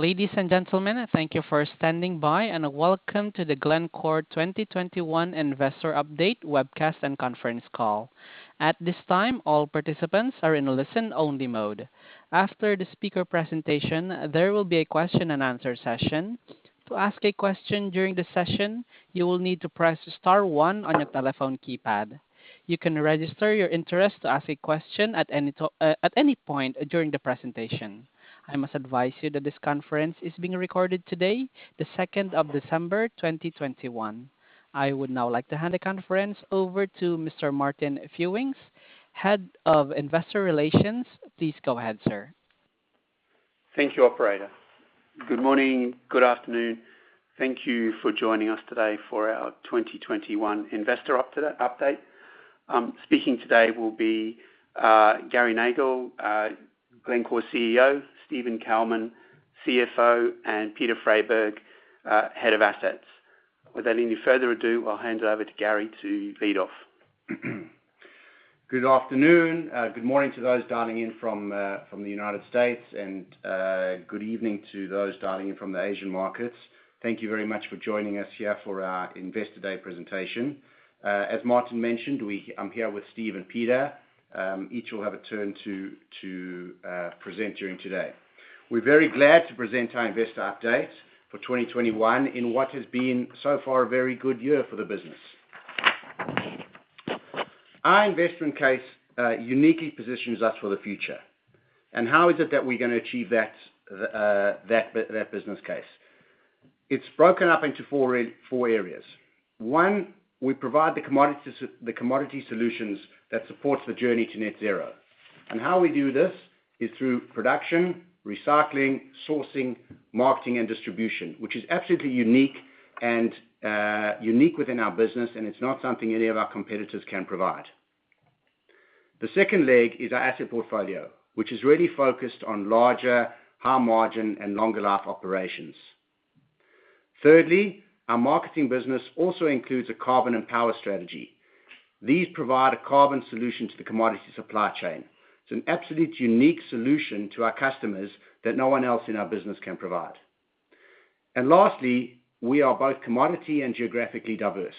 Ladies and gentlemen, thank you for standing by, and welcome to the Glencore 2021 Investor Update webcast and conference call. At this time, all participants are in listen-only mode. After the speaker presentation, there will be a question-and-answer session. To ask a question during the session, you will need to press star one on your telephone keypad. You can register your interest to ask a question at any point during the presentation. I must advise you that this conference is being recorded today, the 2nd December, 2021. I would now like to hand the conference over to Mr. Martin Fewings, Head of Investor Relations. Please go ahead, sir. Thank you, operator. Good morning. Good afternoon. Thank you for joining us today for our 2021 investor update. Speaking today will be Gary Nagle, Glencore CEO, Steven Kalmin, CFO, and Peter Freyberg, Head of Assets. Without any further ado, I'll hand it over to Gary to lead off. Good afternoon. Good morning to those dialing in from the United States and good evening to those dialing in from the Asian markets. Thank you very much for joining us here for our Investor Day presentation. As Martin mentioned, I'm here with Steve and Peter. Each will have a turn to present during today. We're very glad to present our investor update for 2021 in what has been so far a very good year for the business. Our investment case uniquely positions us for the future. How is it that we're gonna achieve that business case? It's broken up into four areas. One, we provide the commodity solutions that supports the journey to net zero. How we do this is through production, recycling, sourcing, marketing, and distribution, which is absolutely unique and unique within our business, and it's not something any of our competitors can provide. The second leg is our asset portfolio, which is really focused on larger, high margin and longer life operations. Thirdly, our marketing business also includes a carbon and power strategy. These provide a carbon solution to the commodity supply chain. It's an absolute unique solution to our customers that no one else in our business can provide. Lastly, we are both commodity and geographically diverse.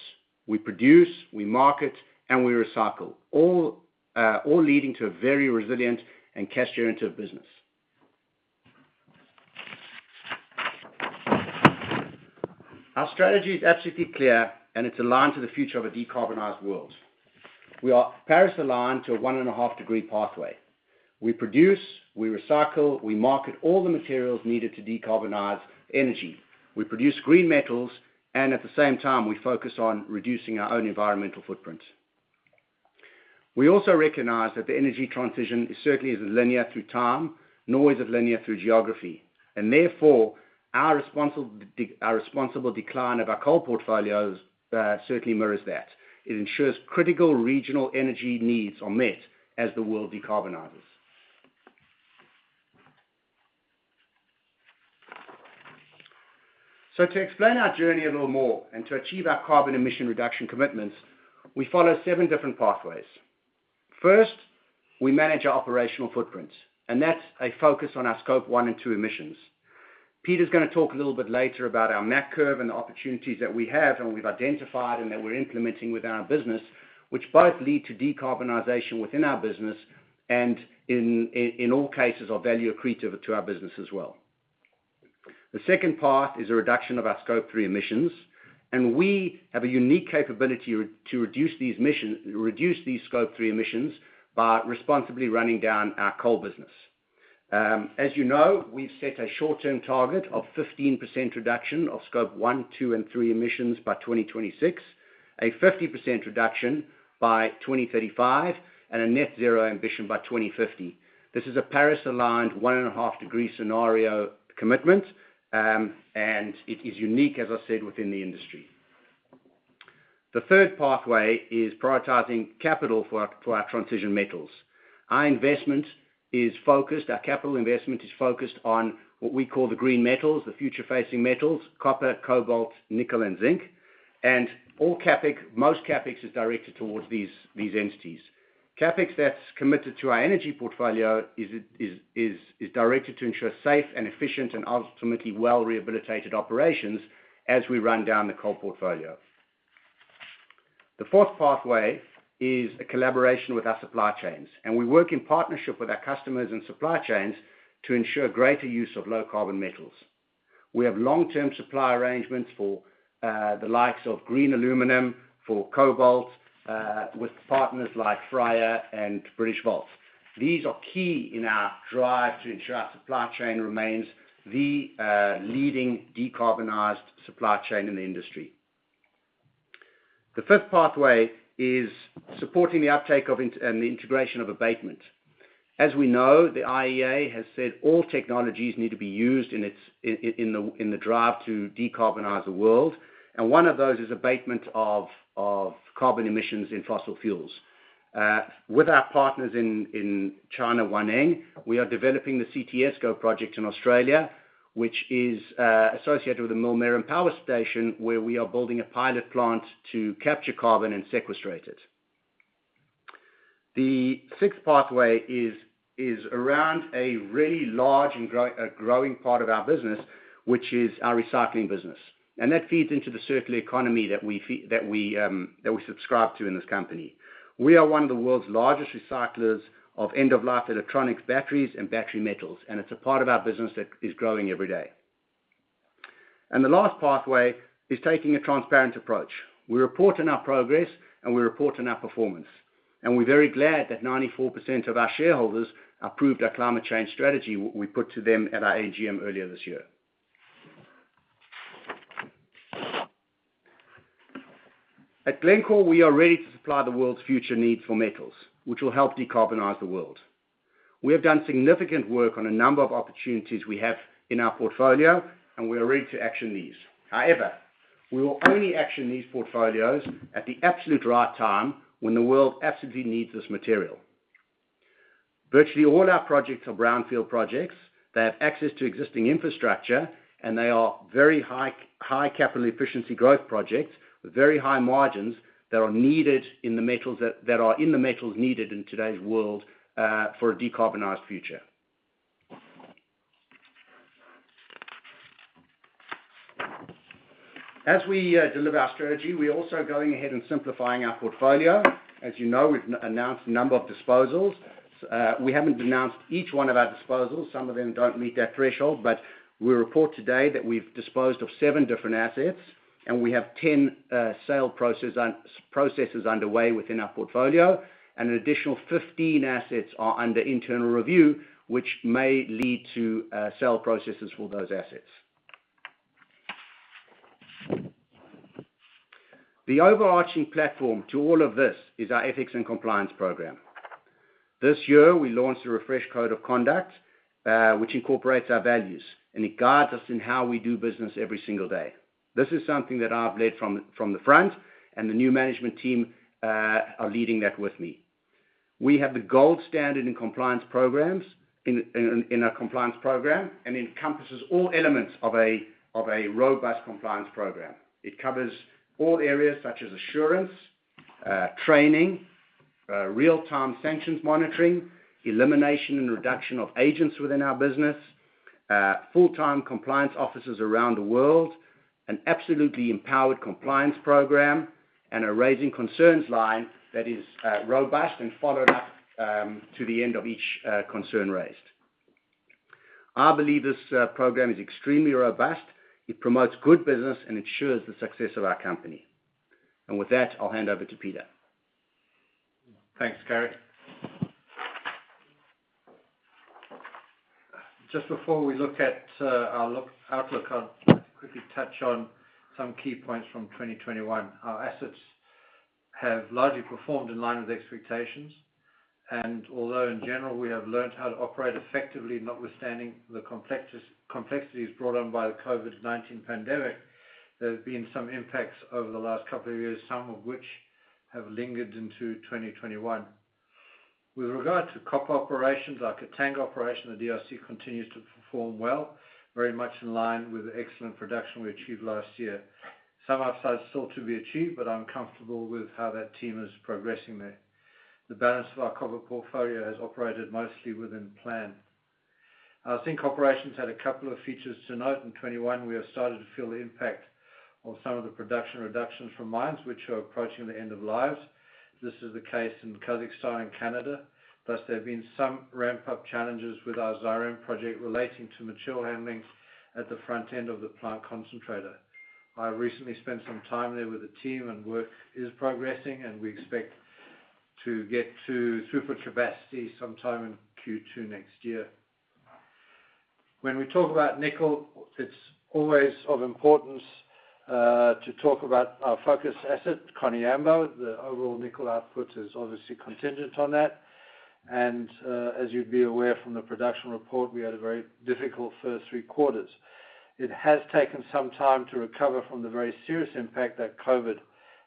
We produce, we market, and we recycle, all all leading to a very resilient and cash generative business. Our strategy is absolutely clear, and it's aligned to the future of a decarbonized world. We are Paris aligned to a 1.5-degree pathway. We produce, we recycle, we market all the materials needed to decarbonize energy. We produce green metals, and at the same time, we focus on reducing our own environmental footprint. We also recognize that the energy transition certainly isn't linear through time, nor is it linear through geography. Therefore, our responsible decline of our coal portfolios certainly mirrors that. It ensures critical regional energy needs are met as the world decarbonizes. To explain our journey a little more and to achieve our carbon emission reduction commitments, we follow seven different pathways. First, we manage our operational footprints, and that's a focus on our Scope 1 and Scope 2 emissions. Peter's gonna talk a little bit later about our MAC curve and the opportunities that we have and we've identified and that we're implementing within our business, which both lead to decarbonization within our business and in all cases are value accretive to our business as well. The second path is a reduction of our Scope 3 emissions, and we have a unique capability to reduce these Scope 3 emissions by responsibly running down our coal business. As you know, we've set a short-term target of 15% reduction of Scope 1, 2, and 3 emissions by 2026, a 50% reduction by 2035, and a net zero ambition by 2050. This is a Paris-aligned 1.5-degree scenario commitment, and it is unique, as I said, within the industry. The third pathway is prioritizing capital for our transition metals. Our investment is focused, our capital investment is focused on what we call the green metals, the future facing metals, copper, cobalt, nickel, and zinc. Most CapEx is directed towards these entities. CapEx that's committed to our energy portfolio is directed to ensure safe and efficient and ultimately well-rehabilitated operations as we run down the coal portfolio. The fourth pathway is a collaboration with our supply chains, and we work in partnership with our customers and supply chains to ensure greater use of low carbon metals. We have long-term supply arrangements for the likes of green aluminum, for cobalt, with partners like FREYR and Britishvolt. These are key in our drive to ensure our supply chain remains the leading decarbonized supply chain in the industry. The fifth pathway is supporting the uptake of the integration of abatement. As we know, the IEA has said all technologies need to be used in its, in the drive to decarbonize the world, and one of those is abatement of carbon emissions in fossil fuels. With our partners in China, Huaneng, we are developing the CTSCo project in Australia, which is associated with the Millmerran Power Station, where we are building a pilot plant to capture carbon and sequestrate it. The sixth pathway is around a really large and growing part of our business, which is our recycling business. That feeds into the circular economy that we subscribe to in this company. We are one of the world's largest recyclers of end-of-life electronics, batteries and battery metals, and it's a part of our business that is growing every day. The last pathway is taking a transparent approach. We report on our progress and we report on our performance, and we're very glad that 94% of our shareholders approved our climate change strategy we put to them at our AGM earlier this year. At Glencore, we are ready to supply the world's future needs for metals, which will help decarbonize the world. We have done significant work on a number of opportunities we have in our portfolio, and we are ready to action these. However, we will only action these portfolios at the absolute right time when the world absolutely needs this material. Virtually all our projects are brownfield projects. They have access to existing infrastructure, and they are very high capital efficiency growth projects with very high margins that are needed in the metals needed in today's world for a decarbonized future. As we deliver our strategy, we're also going ahead and simplifying our portfolio. As you know, we've announced a number of disposals. We haven't announced each one of our disposals. Some of them don't meet that threshold, but we report today that we've disposed of seven different assets and we have 10 sale processes underway within our portfolio, and an additional 15 assets are under internal review, which may lead to sale processes for those assets. The overarching platform to all of this is our ethics and compliance program. This year, we launched a refreshed code of conduct, which incorporates our values, and it guides us in how we do business every single day. This is something that I've led from the front, and the new management team are leading that with me. We have the gold standard in compliance programs in our compliance program, and encompasses all elements of a robust compliance program. It covers all areas such as assurance, training, real-time sanctions monitoring, elimination and reduction of agents within our business, full-time compliance officers around the world, an absolutely empowered compliance program, and a raising concerns line that is robust and followed up to the end of each concern raised. I believe this program is extremely robust. It promotes good business and ensures the success of our company. With that, I'll hand over to Peter. Thanks, Gary. Just before we look at our outlook, I'd like to quickly touch on some key points from 2021. Our assets have largely performed in line with expectations, and although in general, we have learned how to operate effectively, notwithstanding the complexities brought on by the COVID-19 pandemic, there have been some impacts over the last couple of years, some of which have lingered into 2021. With regard to copper operations, our Katanga operation at DRC continues to perform well, very much in line with the excellent production we achieved last year. Some upsides still to be achieved, but I'm comfortable with how that team is progressing there. The balance of our copper portfolio has operated mostly within plan. Our zinc operations had a couple of features to note. In 2021, we have started to feel the impact of some of the production reductions from mines which are approaching the end of lives. This is the case in Kazakhstan and Canada. Thus, there have been some ramp-up challenges with our Zhairem project relating to material handling at the front end of the plant concentrator. I recently spent some time there with the team, and work is progressing, and we expect to get to super capacity sometime in Q2 next year. When we talk about nickel, it's always of importance to talk about our focus asset, Koniambo. The overall nickel output is obviously contingent on that. As you'd be aware from the production report, we had a very difficult first three quarters. It has taken some time to recover from the very serious impact that COVID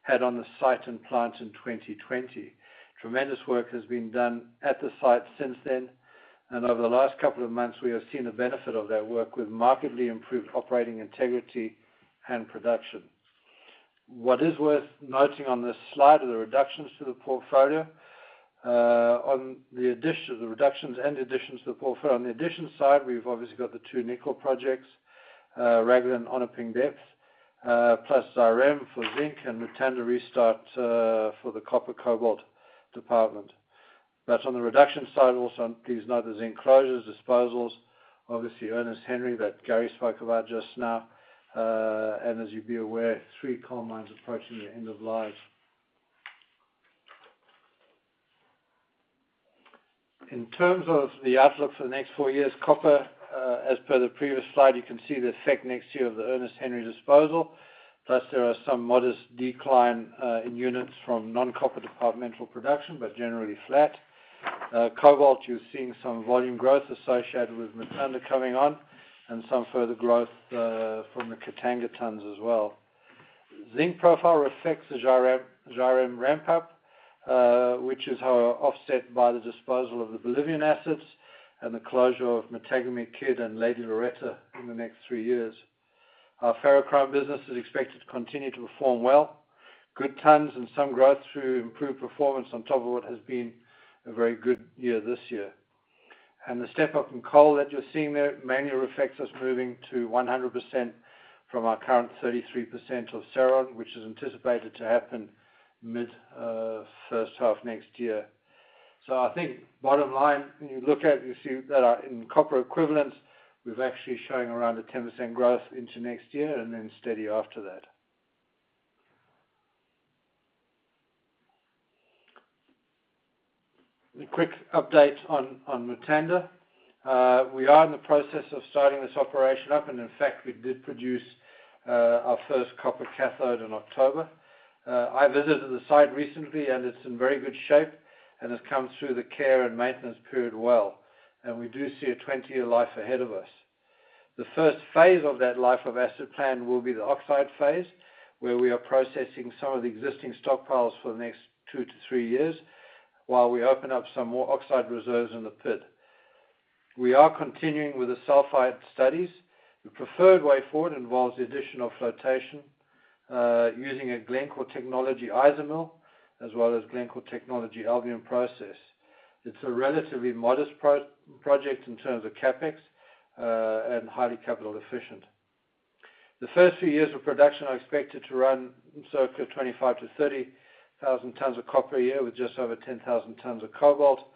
had on the site and plant in 2020. Tremendous work has been done at the site since then, and over the last couple of months, we have seen the benefit of that work with markedly improved operating integrity and production. What is worth noting on this slide are the reductions to the portfolio, the reductions and additions to the portfolio. On the addition side, we've obviously got the two nickel projects, Raglan, Onaping Depth, plus Zhairem for zinc and Mutanda restart, for the copper cobalt department. On the reduction side, also please note the zinc closures, disposals, obviously Ernest Henry, that Gary spoke about just now, and as you'd be aware, three coal mines approaching their end of life. In terms of the outlook for the next four years, copper, as per the previous slide, you can see the effect next year of the Ernest Henry disposal. Thus, there are some modest decline in units from non-copper departmental production, but generally flat. Cobalt, you're seeing some volume growth associated with Mutanda coming on and some further growth from the Katanga tons as well. Zinc profile reflects the Zhairem ramp-up, which is, however, offset by the disposal of the Bolivian assets and the closure of Matagami, Kidd, and Lady Loretta in the next three years. Our ferrochrome business is expected to continue to perform well. Good tons and some growth through improved performance on top of what has been a very good year this year. The step up in coal that you're seeing there mainly reflects us moving to 100% from our current 33% of Cerrejón, which is anticipated to happen mid first half next year. I think bottom line, when you look at, you see that, in copper equivalent, we're actually showing around 10% growth into next year and then steady after that. A quick update on Mutanda. We are in the process of starting this operation up, and in fact, we did produce our first copper cathode in October. I visited the site recently, and it's in very good shape, and it comes through the care and maintenance period well, and we do see a 20-year life ahead of us. The first phase of that life of asset plan will be the oxide phase, where we are processing some of the existing stockpiles for the next two to three years while we open up some more oxide reserves in the pit. We are continuing with the sulfide studies. The preferred way forward involves the addition of flotation using a Glencore technology IsaMill™, as well as Glencore technology Albion Process™. It's a relatively modest pro-project in terms of CapEx and highly capital efficient. The first few years of production are expected to run circa 25,000 to 30,000 tons of copper a year with just over 10,000 tons of cobalt.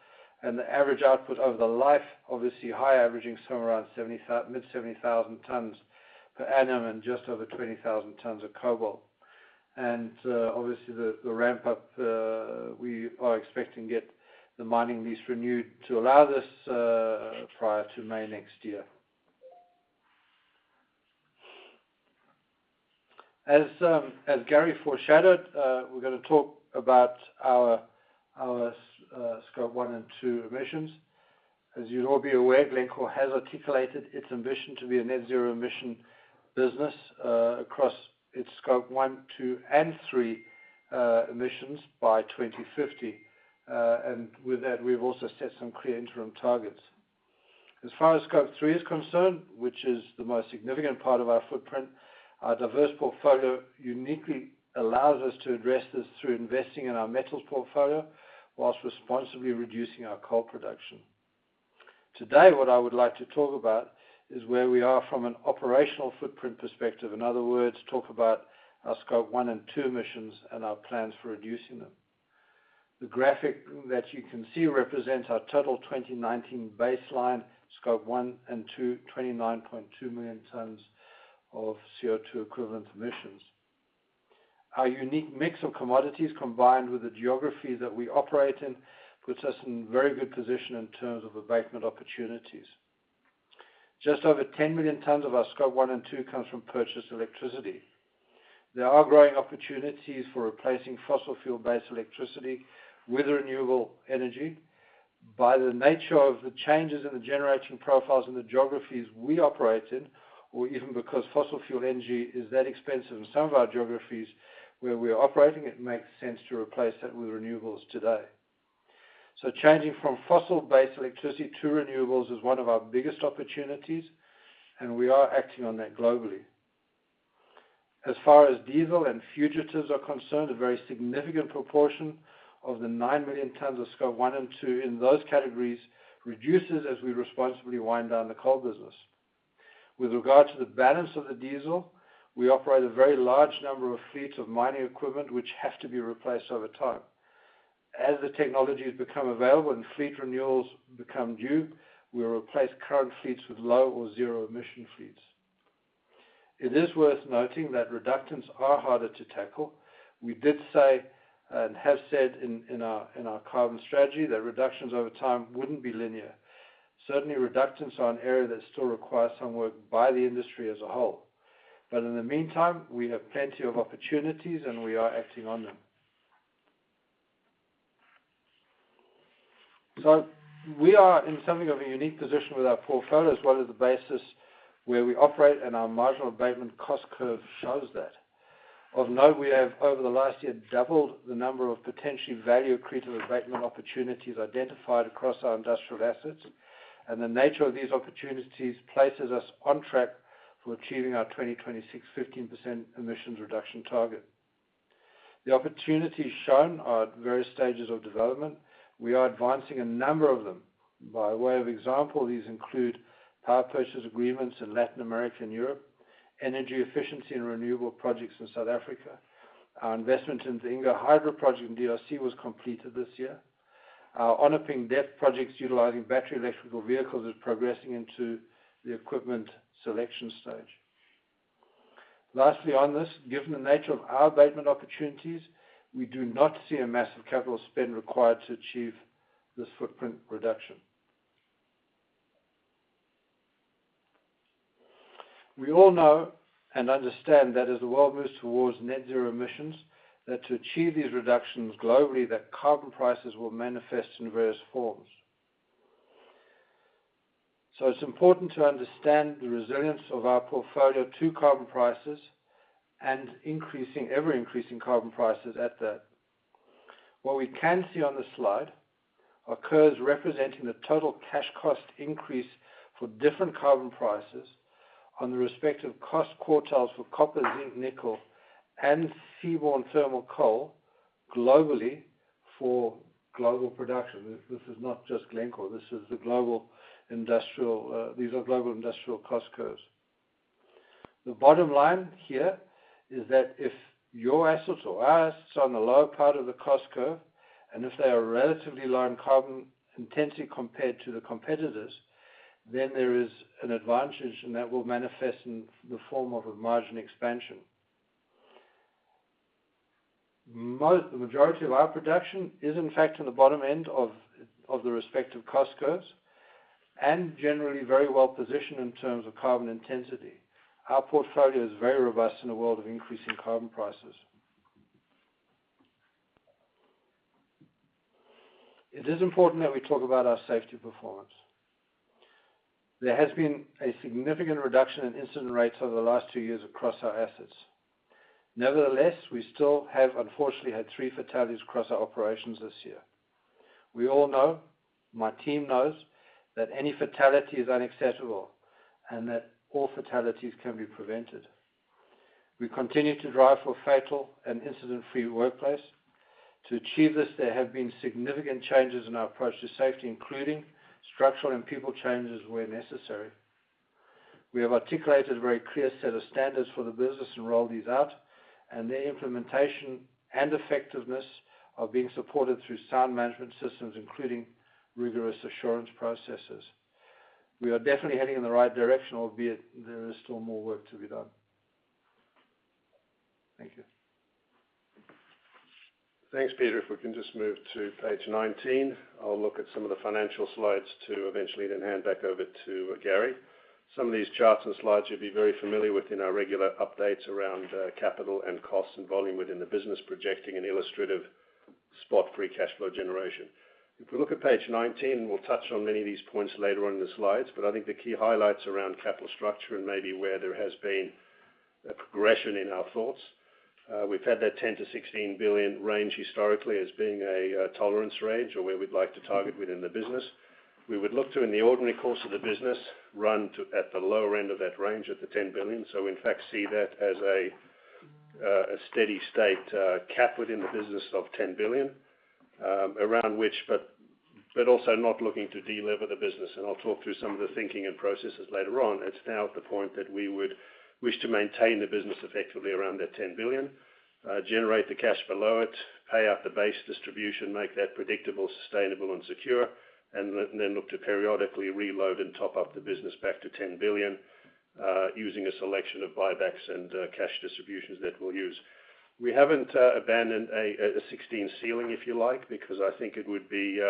The average output over the life, obviously higher, averaging somewhere around mid-70,000 tons per annum and just over 20,000 tons of cobalt. Obviously, the ramp up, we are expecting to get the mining lease renewed to allow this prior to May next year. As Gary foreshadowed, we're gonna talk about our Scope 1 and 2 emissions. As you'd all be aware, Glencore has articulated its ambition to be a net zero emission business, across its Scope 1, 2, and 3 emissions by 2050. With that, we've also set some clear interim targets. As far as Scope 3 is concerned, which is the most significant part of our footprint, our diverse portfolio uniquely allows us to address this through investing in our metals portfolio while responsibly reducing our coal production. Today, what I would like to talk about is where we are from an operational footprint perspective. In other words, talk about our Scope 1 and 2 emissions and our plans for reducing them. The graphic that you can see represents our total 2019 baseline Scope 1 and 2, 29.2 million tons of CO2 equivalent emissions. Our unique mix of commodities, combined with the geography that we operate in, puts us in very good position in terms of abatement opportunities. Just over 10 million tons of our Scope 1 and 2 comes from purchased electricity. There are growing opportunities for replacing fossil fuel-based electricity with renewable energy. By the nature of the changes in the generation profiles in the geographies we operate in, or even because fossil fuel energy is that expensive in some of our geographies where we're operating, it makes sense to replace that with renewables today. Changing from fossil-based electricity to renewables is one of our biggest opportunities, and we are acting on that globally. As far as diesel and fugitives are concerned, a very significant proportion of the 9 million tons of Scope 1 and 2 in those categories reduces as we responsibly wind down the coal business. With regard to the balance of the diesel, we operate a very large number of fleets of mining equipment which have to be replaced over time. As the technologies become available and fleet renewals become due, we'll replace current fleets with low or zero-emission fleets. It is worth noting that reductants are harder to tackle. We did say, and have said in our carbon strategy, that reductions over time wouldn't be linear. Certainly, reductants are an area that still requires some work by the industry as a whole. In the meantime, we have plenty of opportunities, and we are acting on them. We are in something of a unique position with our portfolio as well as the basis where we operate, and our marginal abatement cost curve shows that. Of note, we have over the last year doubled the number of potentially value-accretive abatement opportunities identified across our industrial assets, and the nature of these opportunities places us on track for achieving our 2026 15% emissions reduction target. The opportunities shown are at various stages of development. We are advancing a number of them. By way of example, these include power purchase agreements in Latin America and Europe, energy efficiency and renewable projects in South Africa. Our investment into Inga Hydro project in DRC was completed this year. Our Onaping Depth projects utilizing battery electric vehicles is progressing into the equipment selection stage. Lastly, on this, given the nature of our abatement opportunities, we do not see a massive capital spend required to achieve this footprint reduction. We all know and understand that as the world moves towards net zero emissions, that to achieve these reductions globally, that carbon prices will manifest in various forms. It's important to understand the resilience of our portfolio to carbon prices and increasing, ever-increasing carbon prices at that. What we can see on the slide here representing the total cash cost increase for different carbon prices on the respective cost quartiles for copper, zinc, nickel, and seaborne thermal coal globally for global production. This is not just Glencore. This is the global industrial, these are global industrial cost curves. The bottom line here is that if your assets or our assets are on the lower part of the cost curve, and if they are relatively low in carbon intensity compared to the competitors, then there is an advantage, and that will manifest in the form of a margin expansion. The majority of our production is in fact in the bottom end of the respective cost curves, and generally very well-positioned in terms of carbon intensity. Our portfolio is very robust in a world of increasing carbon prices. It is important that we talk about our safety performance. There has been a significant reduction in incident rates over the last two years across our assets. Nevertheless, we still have, unfortunately, had three fatalities across our operations this year. We all know, my team knows, that any fatality is unacceptable and that all fatalities can be prevented. We continue to drive for a fatal and incident-free workplace. To achieve this, there have been significant changes in our approach to safety, including structural and people changes where necessary. We have articulated a very clear set of standards for the business and rolled these out, and their implementation and effectiveness are being supported through sound management systems, including rigorous assurance processes. We are definitely heading in the right direction, albeit there is still more work to be done. Thank you. Thanks, Peter. If we can just move to page 19, I'll look at some of the financial slides to eventually then hand back over to Gary. Some of these charts and slides you'll be very familiar with in our regular updates around capital and cost and volume within the business, projecting an illustrative spot-free cash flow generation. If we look at page 19, we'll touch on many of these points later on in the slides, but I think the key highlights around capital structure and maybe where there has been a progression in our thoughts. We've had that $10 billion-$16 billion range historically as being a tolerance range or where we'd like to target within the business. We would look to, in the ordinary course of the business, run at the lower end of that range at the $10 billion. In fact, we see that as a steady-state cap within the business of $10 billion, around which, but also not looking to delever the business. I'll talk through some of the thinking and processes later on. It's now at the point that we would wish to maintain the business effectively around that $10 billion, generate the cash below it, pay out the base distribution, make that predictable, sustainable, and secure, and then look to periodically reload and top up the business back to $10 billion, using a selection of buybacks and cash distributions that we'll use. We haven't abandoned a $16 billion ceiling, if you like, because I think it would be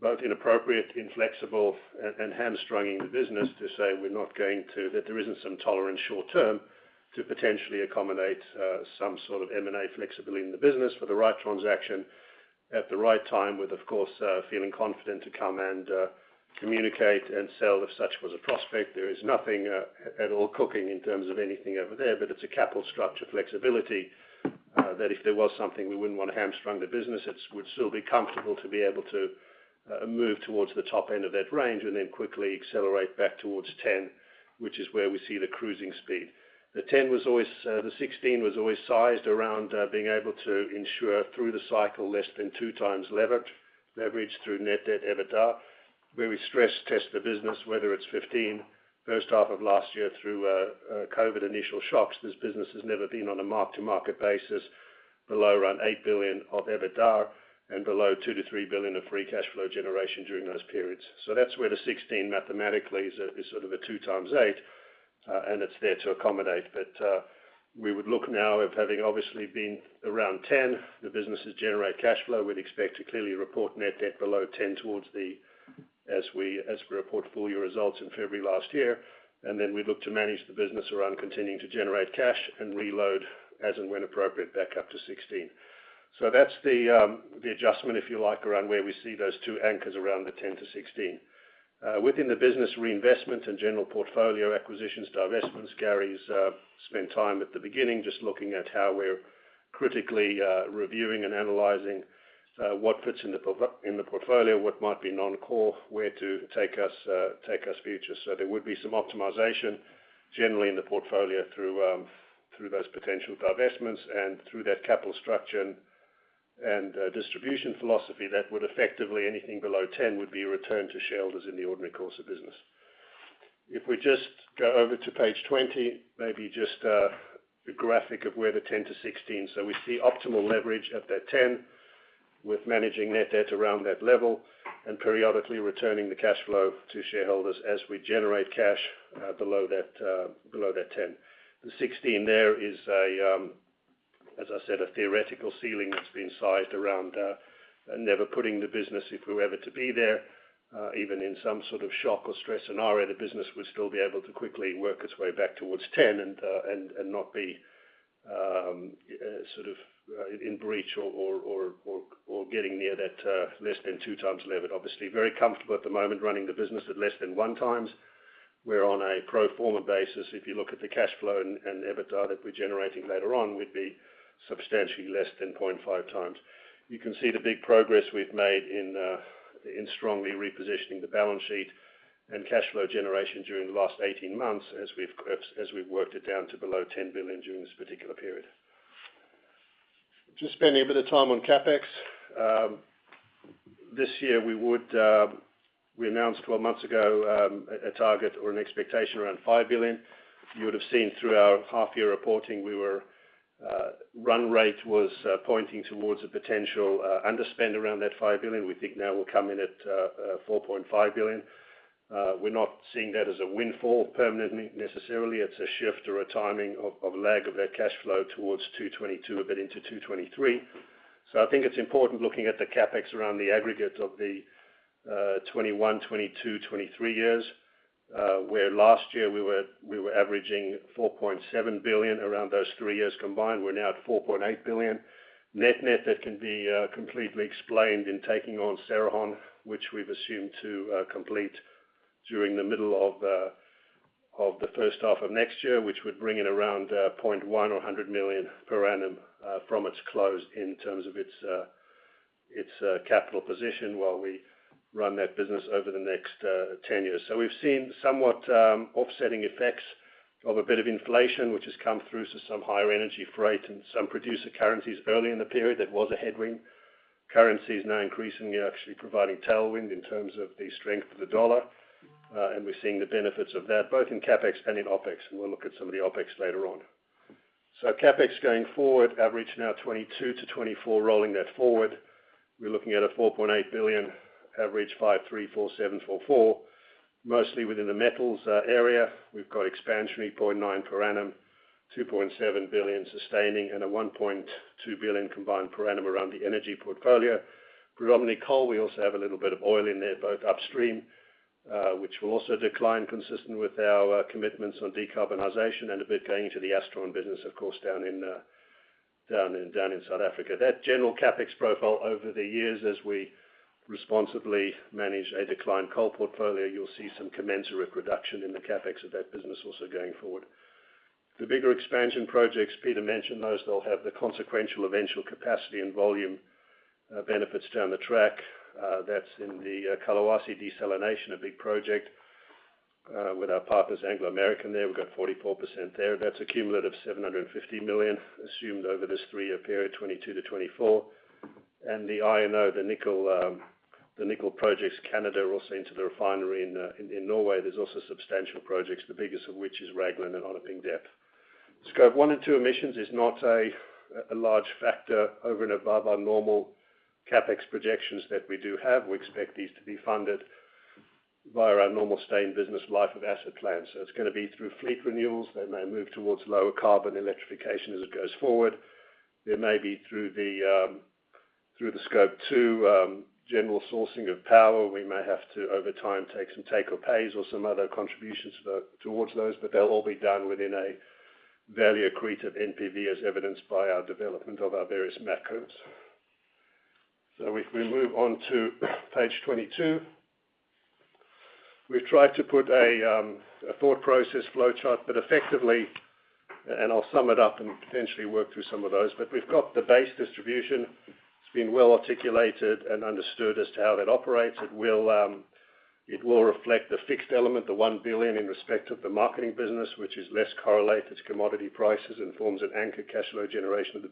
both inappropriate, inflexible, and hamstringing the business to say we're not going to. That there isn't some short-term tolerance to potentially accommodate some sort of M&A flexibility in the business for the right transaction at the right time with, of course, feeling confident to come and communicate and sell if such was a prospect. There is nothing at all cooking in terms of anything over there, but it's a capital structure flexibility that if there was something, we wouldn't want to hamstrung the business. It's we'd still be comfortable to be able to move towards the top end of that range and then quickly accelerate back towards $10 billion, which is where we see the cruising speed. The $10 billion was always the $16 billion was always sized around being able to ensure through the cycle less than 2x leveraged through net debt EBITDA, where we stress test the business, whether it's $15 billion first half of last year through COVID initial shocks. This business has never been on a mark-to-market basis below around $8 billion of EBITDA and below $2 billion-$3 billion of free cash flow generation during those periods. That's where the 16 mathematically is sort of a 2x8, and it's there to accommodate. We would look now at having obviously been around $10 billion, the businesses generate cash flow. We'd expect to clearly report net debt below $10 billion. As we report full year results in February last year. Then we look to manage the business around continuing to generate cash and reload as and when appropriate back up to $16 billion. That's the adjustment, if you like, around where we see those two anchors around the $10 billion-$16 billion. Within the business reinvestment and general portfolio acquisitions, divestments, Gary's spent time at the beginning just looking at how we're critically reviewing and analyzing what fits in the portfolio, what might be non-core, where to take us future. There would be some optimization generally in the portfolio through those potential divestments and through that capital structure and distribution philosophy that would effectively anything below $10 billion would be returned to shareholders in the ordinary course of business. If we just go over to page 20, maybe just a graphic of where the $10 billion-$16 billion. We see optimal leverage at that $10 billion with managing net debt around that level and periodically returning the cash flow to shareholders as we generate cash below that $10 billion. The $16 billion there is, as I said, a theoretical ceiling that's been sized around never putting the business if we were ever to be there, even in some sort of shock or stress scenario, the business would still be able to quickly work its way back towards 10 and not be sort of in breach or getting near that less than 2x levered. Obviously very comfortable at the moment running the business at less than 1x. We're on a pro forma basis. If you look at the cash flow and EBITDA that we're generating later on, we'd be substantially less than 0.5x. You can see the big progress we've made in strongly repositioning the balance sheet and cash flow generation during the last 18 months as we've worked it down to below $10 billion during this particular period. Just spending a bit of time on CapEx. This year we would. We announced 12 months ago, a target or an expectation around $5 billion. You would have seen through our half-year reporting, we were, run rate was, pointing towards a potential, underspend around that $5 billion. We think now we'll come in at $4.5 billion. We're not seeing that as a windfall permanently necessarily. It's a shift or a timing of lag of that cash flow towards 2022, a bit into 2023. I think it's important looking at the CapEx around the aggregate of the 2021, 2022, 2023 years, where last year we were averaging $4.7 billion around those three years combined. We're now at $4.8 billion. Net-net, that can be completely explained in taking on Cerrejón, which we've assumed to complete during the middle of the first half of next year, which would bring in around $0.1 million or $100 million per annum from its close in terms of its capital position while we run that business over the next 10 years. We've seen somewhat offsetting effects of a bit of inflation which has come through to some higher energy freight and some producer currencies early in the period. That was a headwind. Currency is now increasingly actually providing tailwind in terms of the strength of the dollar, and we're seeing the benefits of that both in CapEx and in OpEx, and we'll look at some of the OpEx later on. CapEx going forward, average now $22 billion-$24 billion. Rolling that forward, we're looking at a $4.8 billion average $5.3 biilion-$4.7 billion-$4.4 billion, mostly within the metals area. We've got expansion $3.9 billion per annum, $2.7 billion sustaining and a $1.2 billion combined per annum around the energy portfolio. Predominantly coal, we also have a little bit of oil in there, both upstream, which will also decline consistent with our commitments on decarbonization and a bit going into the Astron business, of course, down in South Africa. That general CapEx profile over the years as we responsibly manage a declined coal portfolio, you'll see some commensurate reduction in the CapEx of that business also going forward. The bigger expansion projects, Peter mentioned those, they'll have the consequential eventual capacity and volume benefits down the track. That's in the Collahuasi desalination, a big project with our partners Anglo American there. We've got 44% there. That's a cumulative $750 million assumed over this three-year period, 2022-2024. The INO, the nickel projects Canada, also into the refinery in Norway. There are also substantial projects, the biggest of which is Raglan and Onaping Depth. Scope 1 and 2 emissions is not a large factor over and above our normal CapEx projections that we do have. We expect these to be funded via our normal stay in business life of asset plans. It's gonna be through fleet renewals. They may move towards lower carbon electrification as it goes forward. There may be through the Scope 2 general sourcing of power. We may have to, over time, take some take or pays or some other contributions towards those, but they'll all be done within a very accretive NPV as evidenced by our development of our various methods. If we move on to page 22. We've tried to put a thought process flowchart, but effectively, and I'll sum it up and potentially work through some of those. We've got the base distribution. It's been well articulated and understood as to how that operates. It will reflect the fixed element, the $1 billion in respect of the marketing business, which is less correlated to commodity prices and forms an anchored cash flow generation of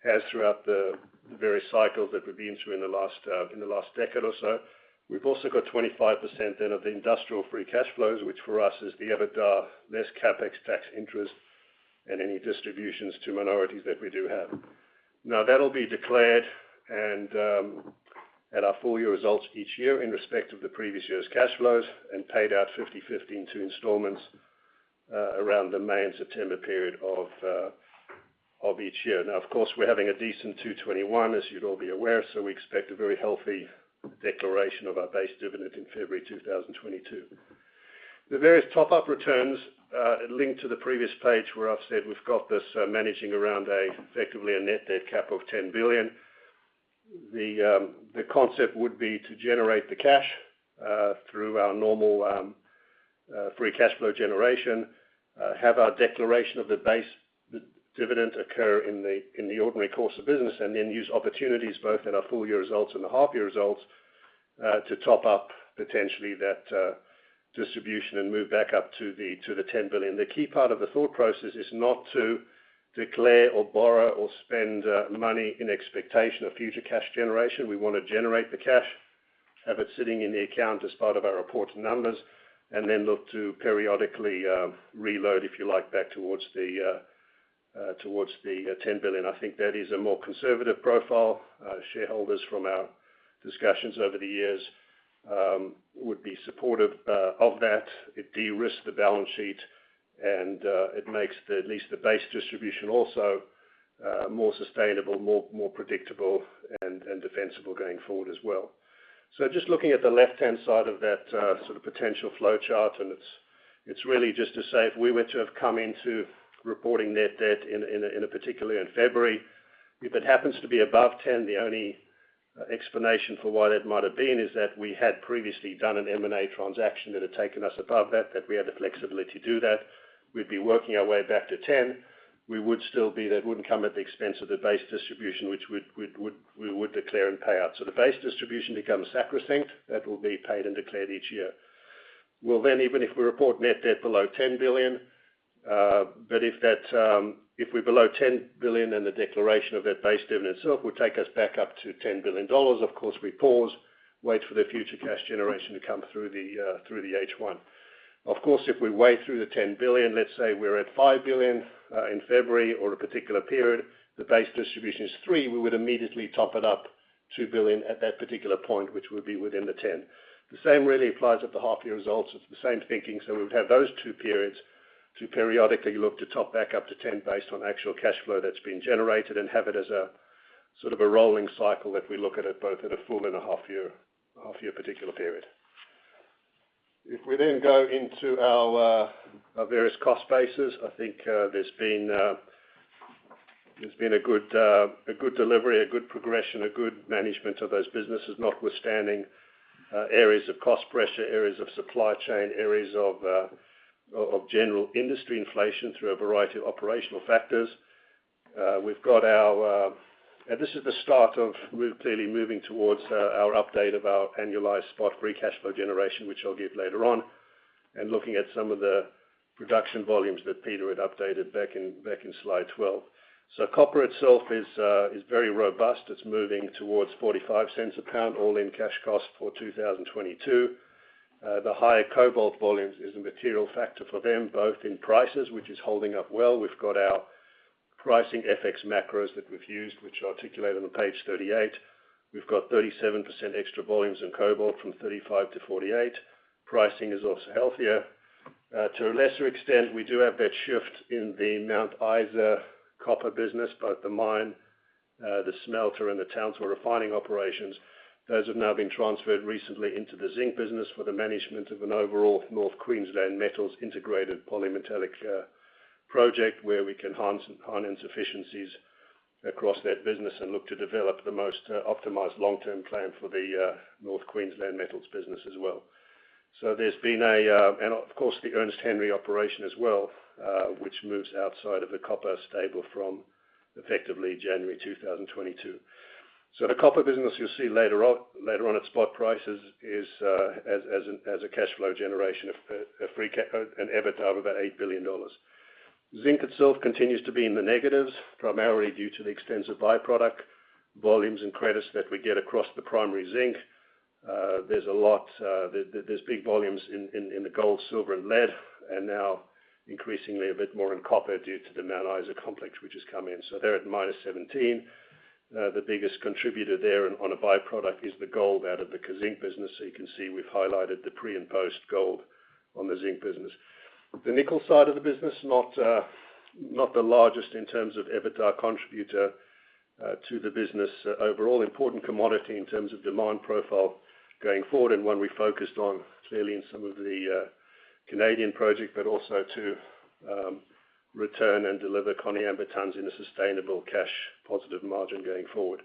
the business itself, as throughout the various cycles that we've been through in the last, in the last decade or so. We've also got 25% then of the industrial free cash flows, which for us is the EBITDA, less CapEx tax interest and any distributions to minorities that we do have. That'll be declared and at our full year results each year in respect of the previous year's cash flows and paid out 50/50 in two installments around the May and September period of each year. Now of course, we're having a decent 2021, as you'd all be aware, so we expect a very healthy declaration of our base dividend in February 2022. The various top-up returns linked to the previous page where I've said we've got this managing around effectively a net debt capital of $10 billion. The concept would be to generate the cash through our normal free cash flow generation, have our declaration of the base dividend occur in the ordinary course of business, and then use opportunities both in our full year results and the half year results to top up potentially that distribution and move back up to the $10 billion. The key part of the thought process is not to declare or borrow or spend money in expectation of future cash generation. We wanna generate the cash, have it sitting in the account as part of our reported numbers, and then look to periodically reload, if you like, back towards the $10 billion. I think that is a more conservative profile. Shareholders from our discussions over the years would be supportive of that. It de-risks the balance sheet and it makes at least the base distribution also more sustainable, more predictable and defensible going forward as well. Just looking at the left-hand side of that sort of potential flowchart, and it's really just to say if we were to have come into reporting net debt in a particular year in February, if it happens to be above $10 billion, the only explanation for why that might have been is that we had previously done an M&A transaction that had taken us above that we had the flexibility to do that. We'd be working our way back to $10 billion. We would still be. That wouldn't come at the expense of the base distribution, which we would declare and pay out. The base distribution becomes sacrosanct. That will be paid and declared each year. We'll then, even if we report net debt below $10 billion, if we're below $10 billion and the declaration of that base dividend itself would take us back up to $10 billion, of course we pause, wait for the future cash generation to come through the H1. Of course, if we're well below the $10 billion, let's say we're at $5 billion in February or a particular period, the base distribution is $3 billion, we would immediately top it up $2 billion at that particular point, which would be within the $10 billion. The same really applies at the half year results. It's the same thinking. We would have those two periods to periodically look to top back up to 10 based on actual cash flow that's been generated and have it as a sort of a rolling cycle if we look at it both at a full and a half year particular period. If we then go into our various cost bases, I think there's been a good delivery, a good progression, a good management of those businesses, notwithstanding areas of cost pressure, areas of supply chain, areas of general industry inflation through a variety of operational factors. This is the start of where we're clearly moving towards our update of our annualized spot free cash flow generation, which I'll give later on, and looking at some of the production volumes that Peter had updated back in slide 12. Copper itself is very robust. It's moving towards $0.45 a pound all-in cash cost for 2022. The higher cobalt volumes is a material factor for them, both in prices, which is holding up well. We've got our pricing FX macros that we've used, which articulate on page 38. We've got 37% extra volumes in cobalt from 35% to 48%. Pricing is also healthier. To a lesser extent, we do have that shift in the Mount Isa copper business, both the mine, the smelter, and the Townsville refining operations. Those have now been transferred recently into the zinc business for the management of an overall Queensland Metals integrated polymetallic project, where we can harness efficiencies across that business and look to develop the most optimized long-term plan for the Queensland Metals business as well. There's been, and of course, the Ernest Henry operation as well, which moves outside of the copper stable from effectively January 2022. The copper business you'll see later on at spot prices is as a cash flow generation of an EBITDA of about $8 billion. Zinc itself continues to be in the negatives, primarily due to the extensive by-product volumes and credits that we get across the primary zinc. There's a lot, there's big volumes in the gold, silver, and lead, and now increasingly a bit more in copper due to the Mount Isa complex which has come in. They're at -17%. The biggest contributor there on a by-product is the gold out of the Kazzinc business. You can see we've highlighted the pre- and post-gold on the zinc business. The nickel side of the business, not the largest in terms of EBITDA contributor to the business. Overall important commodity in terms of demand profile going forward and one we focused on clearly in some of the Canadian project, but also to return and deliver Koniambo tons in a sustainable cash positive margin going forward.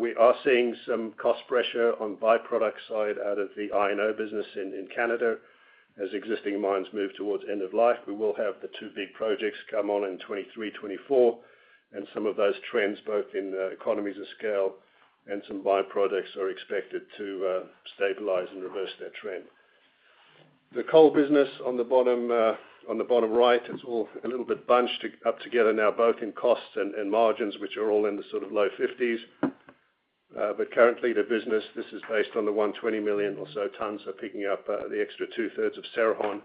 We are seeing some cost pressure on by-product side out of the INO business in Canada. As existing mines move towards end of life, we will have the two big projects come on in 2023, 2024, and some of those trends, both in the economies of scale and some by-products, are expected to stabilize and reverse that trend. The coal business on the bottom, on the bottom right is all a little bit bunched together now, both in cost and margins, which are all in the sort of low fifties. Currently the business, this is based on the 120 million or so tons, are picking up the extra 2/3 of Cerrejón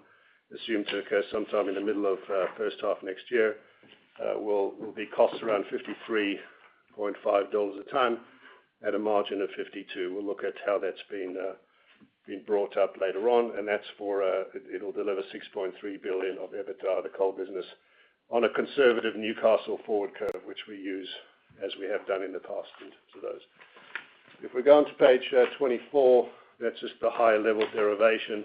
assumed to occur sometime in the middle of first half next year. Will be costs around $53.5 a ton at a margin of $52. We'll look at how that's been brought up later on, and that'll deliver $6.3 billion of EBITDA, the coal business, on a conservative Newcastle forward curve, which we use as we have done in the past into those. If we go onto page 24, that's just the high level derivation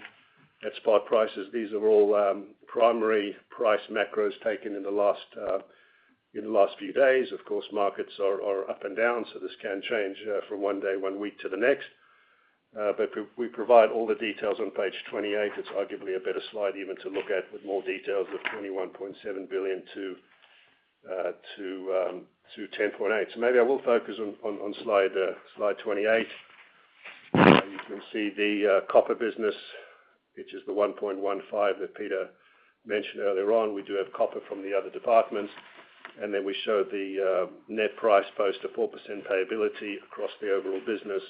at spot prices. These are all primary price macros taken in the last few days. Of course, markets are up and down, so this can change from one day, one week to the next. But we provide all the details on page 28. It's arguably a better slide even to look at with more details of $21.7 billion to $10.8 billion. So maybe I will focus on slide 28. You can see the copper business, which is the 1.15 that Peter mentioned earlier on. We do have copper from the other departments, and then we show the net price post a 4% payability across the overall business.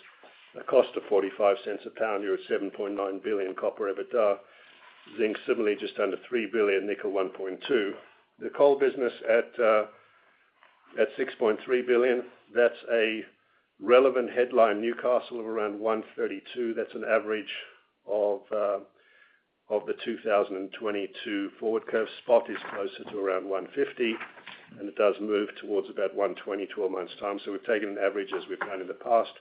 A cost of $0.45 a pound, you're at $7.9 billion copper EBITDA. Zinc similarly just under $3 billion, nickel $1.2 billion. The coal business at $6.3 billion. That's a relevant headline. Newcastle of around $132. That's an average of the 2022 forward curve. Spot is closer to around $150, and it does move towards about $120 to a month's time. We've taken an average, as we've done in the past,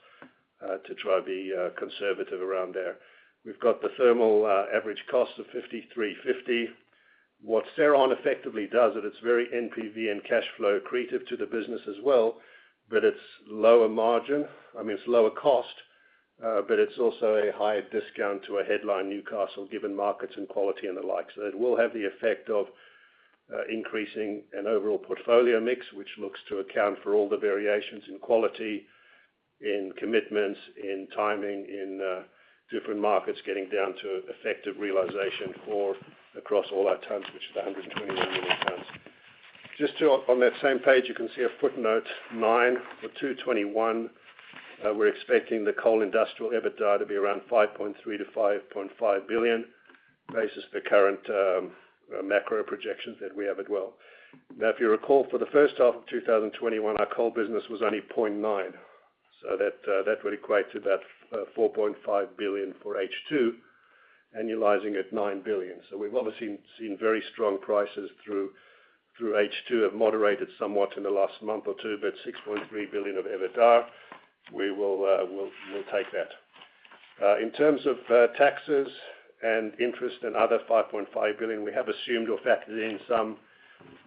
to try to be conservative around there. We've got the thermal average cost of $53.50. What Cerrejón effectively does, and it's very NPV and cash flow accretive to the business as well, but it's lower margin. I mean, it's lower cost, but it's also a higher discount to a headline Newcastle, given markets and quality and the like. It will have the effect of increasing an overall portfolio mix, which looks to account for all the variations in quality, in commitments, in timing, in different markets getting down to effective realization for across all our tons, which is 121 million tons. On that same page, you can see footnote nine. For 2021, we're expecting the coal industrial EBITDA to be around $5.3 to $5.5 billion, basis the current macro projections that we have. Well. Now, if you recall, for the first half of 2021, our coal business was only $0.9 billion. That would equate to about $4.5 billion for H2, annualizing at $9 billion. We've obviously seen very strong prices through H2 have moderated somewhat in the last month or two, but $6.3 billion of EBITDA, we'll take that. In terms of taxes and interest and other $5.5 billion, we have assumed or factored in some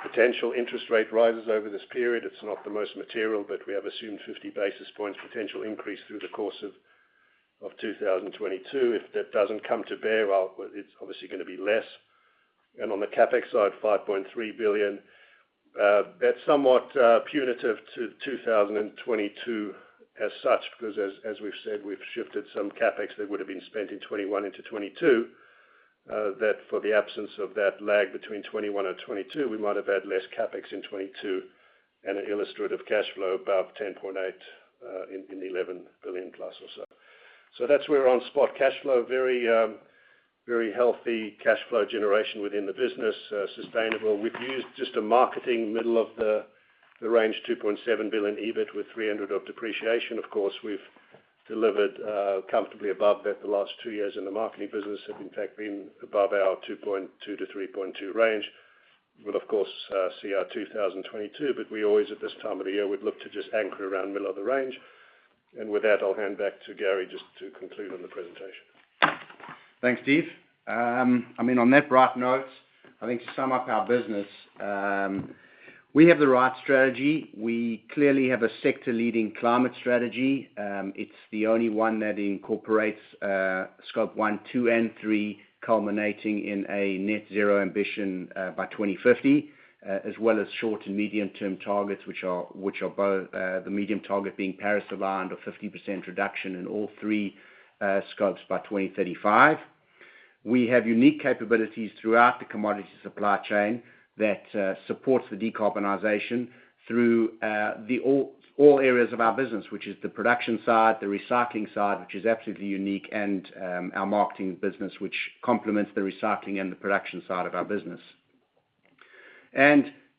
potential interest rate rises over this period. It's not the most material, but we have assumed 50 basis points potential increase through the course of 2022. If that doesn't come to bear, well, it's obviously gonna be less. On the CapEx side, $5.3 billion, that's somewhat punitive to 2022 as such, because as we've said, we've shifted some CapEx that would have been spent in 2021 into 2022. In the absence of that lag between 2021 and 2022, we might have had less CapEx in 2022 and an illustrative cash flow above 10.8 in the $11 billion plus or so. That's where we are on spot cash flow. Very, very healthy cash flow generation within the business, sustainable. We've used just the marketing middle of the range, $2.7 billion EBIT with $300 of depreciation. Of course, we've delivered comfortably above that the last two years, and the marketing business has in fact been above our 2.2-3.2 range. We'll, of course, see our 2022, but we always at this time of the year, we'd look to just anchor around middle of the range. With that, I'll hand back to Gary just to conclude on the presentation. Thanks, Steve. I mean, on that bright note, I think to sum up our business, we have the right strategy. We clearly have a sector-leading climate strategy. It's the only one that incorporates Scope 1, 2, and 3, culminating in a net zero ambition by 2050, as well as short to medium term targets, which are both, the medium target being Paris-aligned of 50% reduction in all three scopes by 2035. We have unique capabilities throughout the commodity supply chain that supports the decarbonization through all areas of our business, which is the production side, the recycling side, which is absolutely unique, and our marketing business, which complements the recycling and the production side of our business.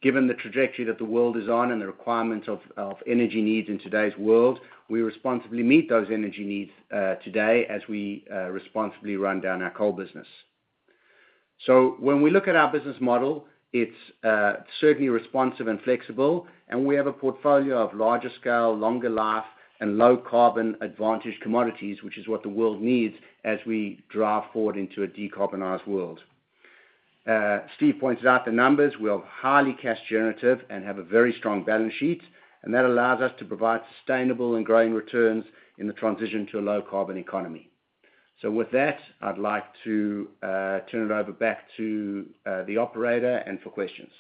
Given the trajectory that the world is on and the requirements of energy needs in today's world, we responsibly meet those energy needs today as we responsibly run down our coal business. When we look at our business model, it's certainly responsive and flexible, and we have a portfolio of larger scale, longer life, and low carbon advantage commodities, which is what the world needs as we drive forward into a decarbonized world. Steve pointed out the numbers. We are highly cash generative and have a very strong balance sheet, and that allows us to provide sustainable and growing returns in the transition to a low carbon economy. With that, I'd like to turn it over back to the operator and for questions.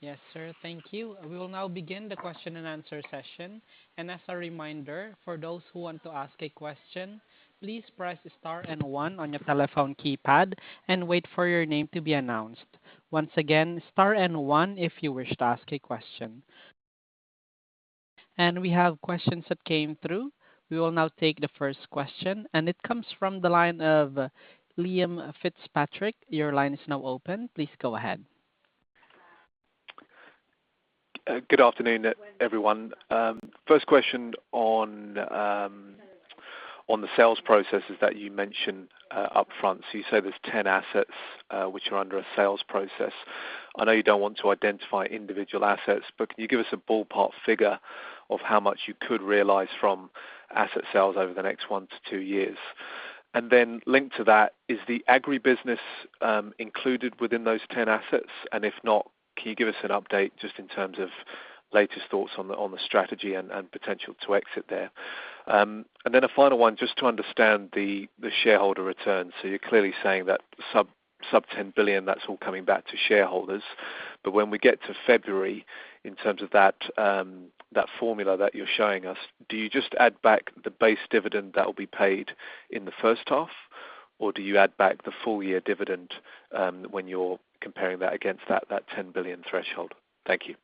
Yes, sir. Thank you. We will now begin the question and answer session. As a reminder, for those who want to ask a question, please press star and one on your telephone keypad and wait for your name to be announced. Once again, star and one if you wish to ask a question. We have questions that came through. We will now take the first question, and it comes from the line of Liam Fitzpatrick. Your line is now open. Please go ahead. Good afternoon, everyone. First question on the sales processes that you mentioned upfront. You say there's 10 assets which are under a sales process. I know you don't want to identify individual assets, but can you give us a ballpark figure of how much you could realize from asset sales over the next one to two years? Then linked to that, is the Agri business included within those 10 assets? If not, can you give us an update just in terms of latest thoughts on the strategy and potential to exit there? Then a final one, just to understand the shareholder returns. You're clearly saying that sub-$10 billion, that's all coming back to shareholders. When we get to February, in terms of that formula that you're showing us, do you just add back the base dividend that will be paid in the first half, or do you add back the full year dividend, when you're comparing that against that $10 billion threshold? Thank you.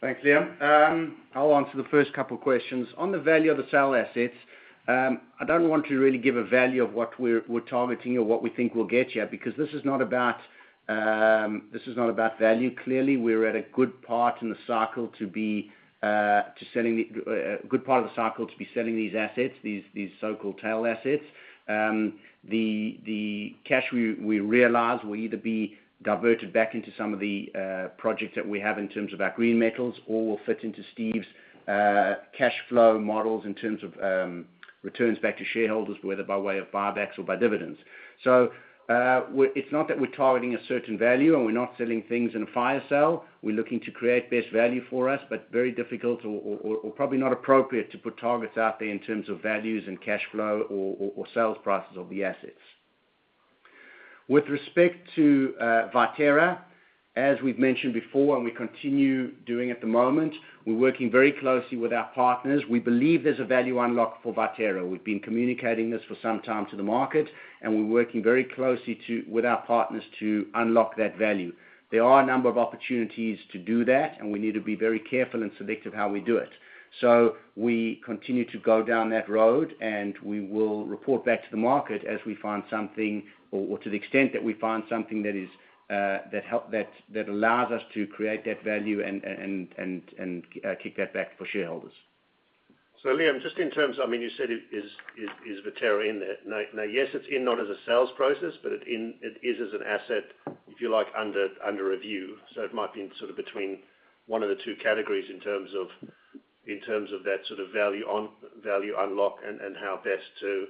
Thanks, Liam. I'll answer the first couple questions. On the value of the sale assets, I don't want to really give a value of what we're targeting or what we think we'll get yet because this is not about value. Clearly, we're at a good part in the cycle to be selling these assets, these so-called tail assets. The cash we realize will either be diverted back into some of the projects that we have in terms of our green metals or will fit into Steve's cash flow models in terms of returns back to shareholders, whether by way of buybacks or by dividends. It's not that we're targeting a certain value, and we're not selling things in a fire sale. We're looking to create best value for us, but very difficult, or probably not appropriate to put targets out there in terms of values and cash flow or sales prices of the assets. With respect to Viterra, as we've mentioned before and we continue doing at the moment, we're working very closely with our partners. We believe there's a value unlock for Viterra. We've been communicating this for some time to the market, and we're working very closely with our partners to unlock that value. There are a number of opportunities to do that, and we need to be very careful and selective how we do it. We continue to go down that road, and we will report back to the market as we find something or to the extent that we find something that allows us to create that value and kick that back for shareholders. Liam, just in terms, I mean, you said, is Viterra in it? Now, yes, it's in, not as a sales process, but it is as an asset, if you like, under review. It might be in sort of between one of the two categories in terms of that sort of value unlock and how best for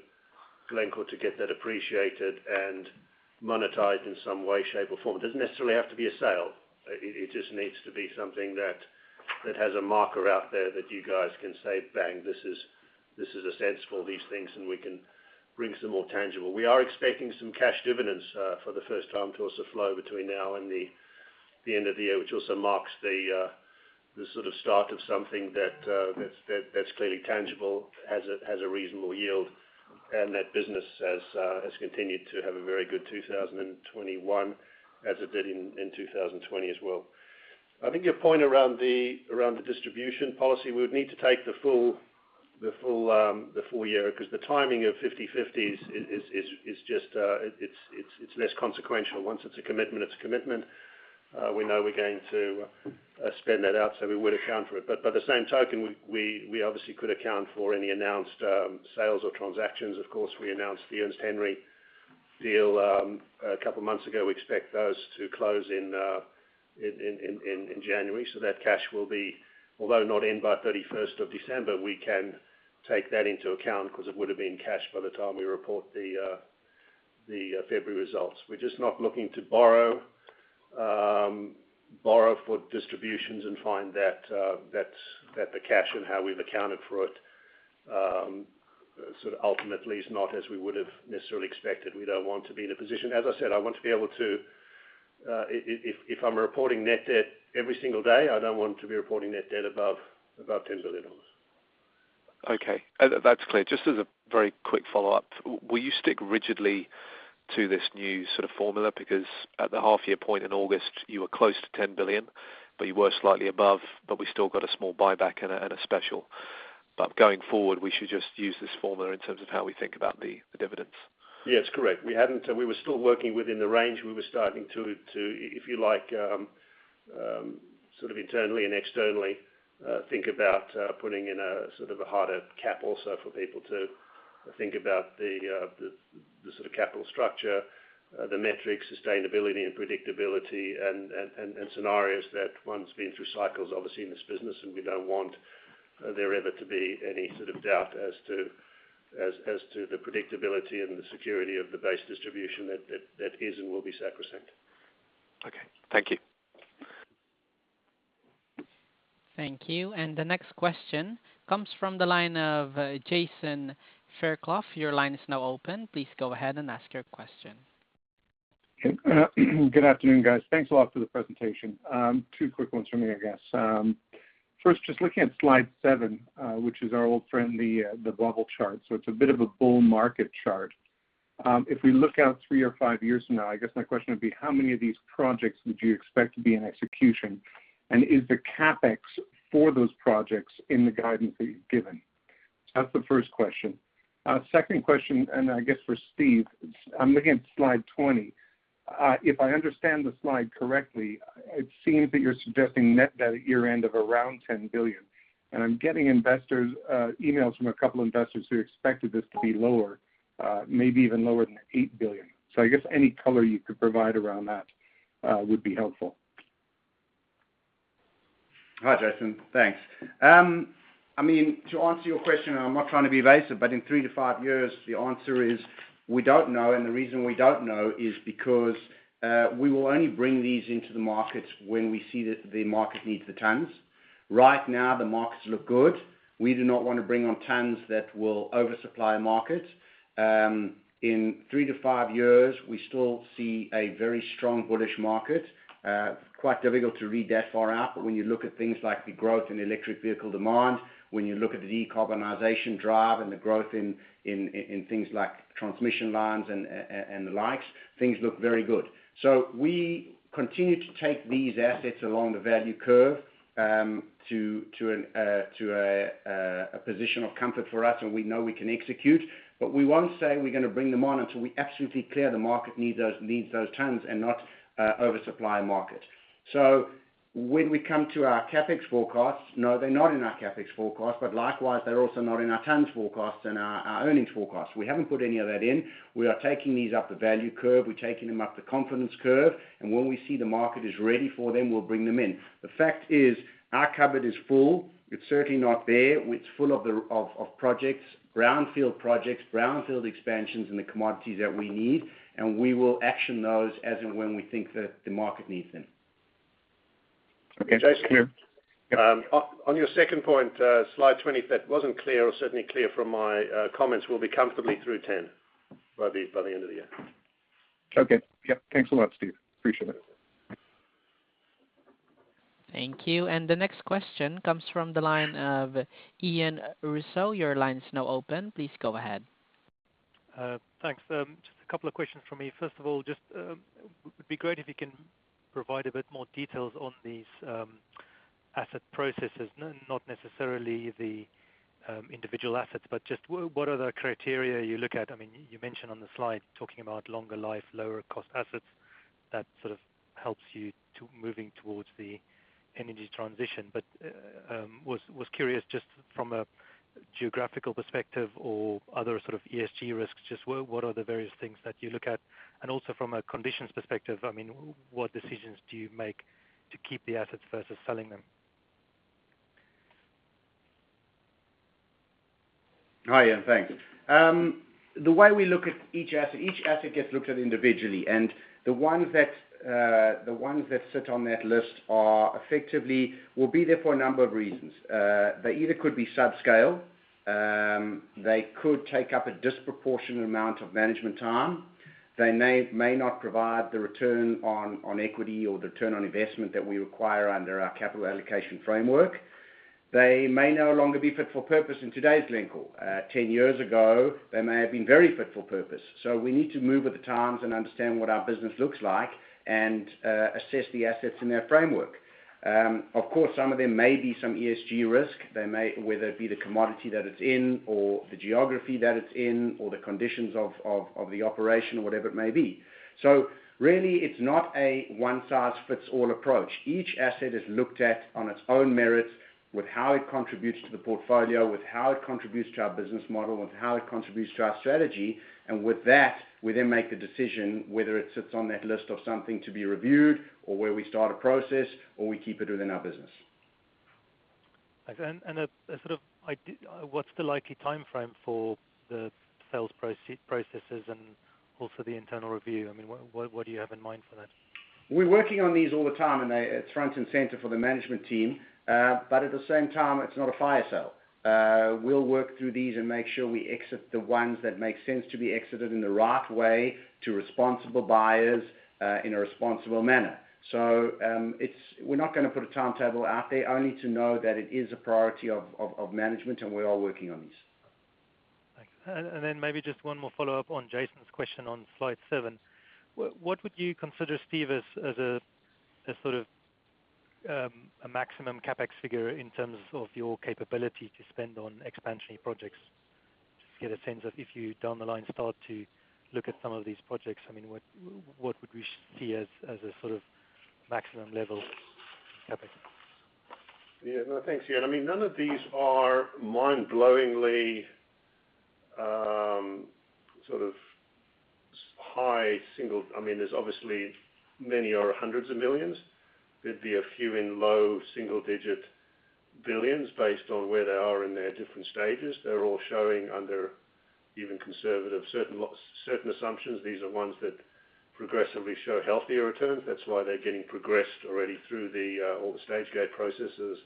Glencore to get that appreciated and monetized in some way, shape, or form. It doesn't necessarily have to be a sale. It just needs to be something that has a marker out there that you guys can say, "Bang, this is a sense for these things, and we can bring some more tangible." We are expecting some cash dividends for the first time to also flow between now and the end of the year, which also marks the sort of start of something that's clearly tangible, has a reasonable yield, and that business has continued to have a very good 2021 as it did in 2020 as well. I think your point around the distribution policy, we would need to take the full year because the timing of 50/50 is just it's less consequential. Once it's a commitment, it's a commitment. We know we're going to spend that out, so we would account for it. By the same token, we obviously could account for any announced sales or transactions. Of course, we announced the Ernest Henry deal a couple months ago. We expect those to close in January. That cash will be, although not in by 31st of December, we can take that into account because it would have been cashed by the time we report the February results. We're just not looking to borrow for distributions and find that the cash and how we've accounted for it sort of ultimately is not as we would have necessarily expected. We don't want to be in a position. As I said, I want to be able to, if I'm reporting net debt every single day, I don't want to be reporting net debt above $10 billion. Okay. That's clear. Just as a very quick follow-up, will you stick rigidly to this new sort of formula? Because at the half-year point in August, you were close to $10 billion, but you were slightly above, but we still got a small buyback and a special. Going forward, we should just use this formula in terms of how we think about the dividends. Yes, correct. We were still working within the range. We were starting to, if you like, sort of internally and externally think about putting in a sort of a harder cap also for people to think about the sort of capital structure, the metrics, sustainability and predictability and scenarios that one's been through cycles, obviously, in this business, and we don't want there ever to be any sort of doubt as to the predictability and the security of the base distribution that is and will be sacrosanct. Okay. Thank you. Thank you. The next question comes from the line of Jason Fairclough. Your line is now open. Please go ahead and ask your question. Good afternoon, guys. Thanks a lot for the presentation. Two quick ones from me, I guess. First, just looking at slide seven, which is our old friend, the bubble chart. It's a bit of a bull market chart. If we look out three or five years from now, I guess my question would be, how many of these projects would you expect to be in execution? And is the CapEx for those projects in the guidance that you've given? That's the first question. Second question, and I guess for Steve, I'm looking at slide 20. If I understand the slide correctly, it seems that you're suggesting net debt at year-end of around $10 billion. I'm getting investors' emails from a couple investors who expected this to be lower, maybe even lower than $8 billion. I guess any color you could provide around that would be helpful. Hi, Jason. Thanks. I mean, to answer your question, I'm not trying to be evasive, but in three to five years, the answer is we don't know. The reason we don't know is because we will only bring these into the markets when we see that the market needs the tons. Right now, the markets look good. We do not want to bring on tons that will oversupply markets. In three to five years, we still see a very strong bullish market. Quite difficult to read that far out. When you look at things like the growth in electric vehicle demand, when you look at the decarbonization drive and the growth in things like transmission lines and the likes, things look very good. We continue to take these assets along the value curve to a position of comfort for us and we know we can execute. We won't say we're gonna bring them on until we absolutely clear the market needs those tons and not oversupply market. When we come to our CapEx forecasts, no, they're not in our CapEx forecasts, but likewise they're also not in our tons forecasts and our earnings forecasts. We haven't put any of that in. We are taking these up the value curve. We're taking them up the confidence curve, and when we see the market is ready for them, we'll bring them in. The fact is our cupboard is full. It's certainly not bare. It's full of projects, brownfield projects, brownfield expansions in the commodities that we need, and we will action those as and when we think that the market needs them. Okay, thank you. Jason, on your second point, slide 20, if that wasn't clear or certainly clear from my comments, we'll be comfortably through $10 billion by the end of the year. Okay. Yep. Thanks a lot, Steve. Appreciate it. Thank you. The next question comes from the line of Ian Rossouw. Your line's now open. Please go ahead. Thanks. Just a couple of questions from me. First of all, just would be great if you can provide a bit more details on these asset processes, not necessarily the individual assets, but just what are the criteria you look at? I mean, you mentioned on the slide talking about longer life, lower cost assets that sort of helps you to moving towards the energy transition. Was curious just from a geographical perspective or other sort of ESG risks, just what are the various things that you look at? And also from a conditions perspective, I mean, what decisions do you make to keep the assets versus selling them? Hi, Ian. Thanks. The way we look at each asset, each asset gets looked at individually, and the ones that sit on that list are effectively will be there for a number of reasons. They either could be subscale, they could take up a disproportionate amount of management time. They may not provide the return on equity or the return on investment that we require under our capital allocation framework. They may no longer be fit for purpose in today's Glencore. Ten years ago, they may have been very fit for purpose. We need to move with the times and understand what our business looks like and assess the assets in that framework. Of course, some of them may be some ESG risk. They may... Whether it be the commodity that it's in, or the geography that it's in, or the conditions of the operation or whatever it may be. So really it's not a one-size-fits-all approach. Each asset is looked at on its own merits with how it contributes to the portfolio, with how it contributes to our business model, with how it contributes to our strategy. With that, we then make a decision whether it sits on that list of something to be reviewed or where we start a process or we keep it within our business. What's the likely timeframe for the sales processes and also the internal review? I mean, what do you have in mind for that? We're working on these all the time, and they're front and center for the management team. At the same time, it's not a fire sale. We'll work through these and make sure we exit the ones that make sense to be exited in the right way to responsible buyers, in a responsible manner. We're not gonna put a timetable out there, only you know that it is a priority of management and we are working on these. Thanks. Maybe just one more follow-up on Jason's question on slide seven. What would you consider, Steve, as a sort of maximum CapEx figure in terms of your capability to spend on expansionary projects? Just to get a sense of if you, down the line, start to look at some of these projects, I mean, what would we see as a sort of maximum level CapEx? No, thanks, Ian. I mean, none of these are mind-blowingly sort of high single. I mean, there's obviously many are hundreds of millions. There'd be a few in low single digit billions based on where they are in their different stages. They're all showing under even conservative certain assumptions, these are ones that progressively show healthier returns. That's why they're getting progressed already through all the stage gate processes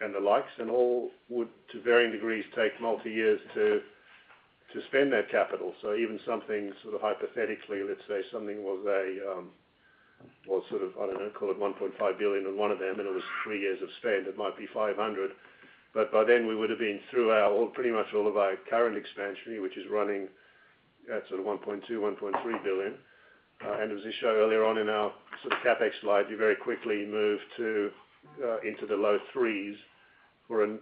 and the likes. All would, to varying degrees, take multi years to spend that capital. So even something sort of hypothetically, let's say something was a well sort of, I don't know, call it $1.5 billion in one of them, and it was three years of spend, it might be $500 million. By then we would've been through all, pretty much all of our current expansion, which is running at sort of $1.2 billion-$1.3 billion. As we showed earlier on in our sort of CapEx slide, you very quickly move into the low $3s for a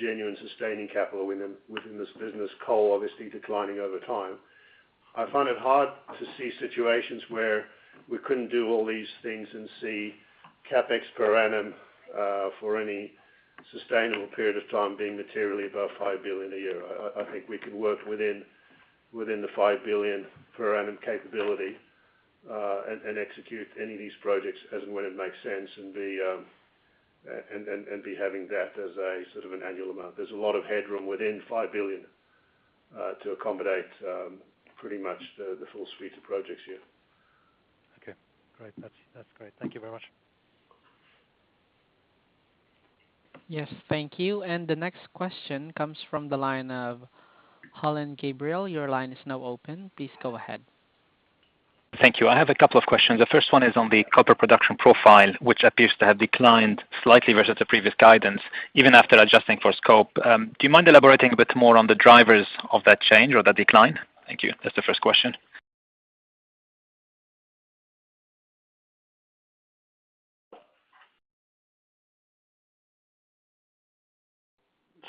genuine sustaining capital within this business. Coal obviously declining over time. I find it hard to see situations where we couldn't do all these things and see CapEx per annum for any sustainable period of time being materially above $5 billion a year. I think we can work within the $5 billion per annum capability and be having that as a sort of an annual amount. There's a lot of headroom within $5 billion to accommodate pretty much the full suite of projects here. Okay. Great. That's great. Thank you very much. Yes. Thank you. The next question comes from the line of Alain Gabriel. Your line is now open. Please go ahead. Thank you. I have a couple of questions. The first one is on the copper production profile, which appears to have declined slightly versus the previous guidance, even after adjusting for scope. Do you mind elaborating a bit more on the drivers of that change or that decline? Thank you. That's the first question.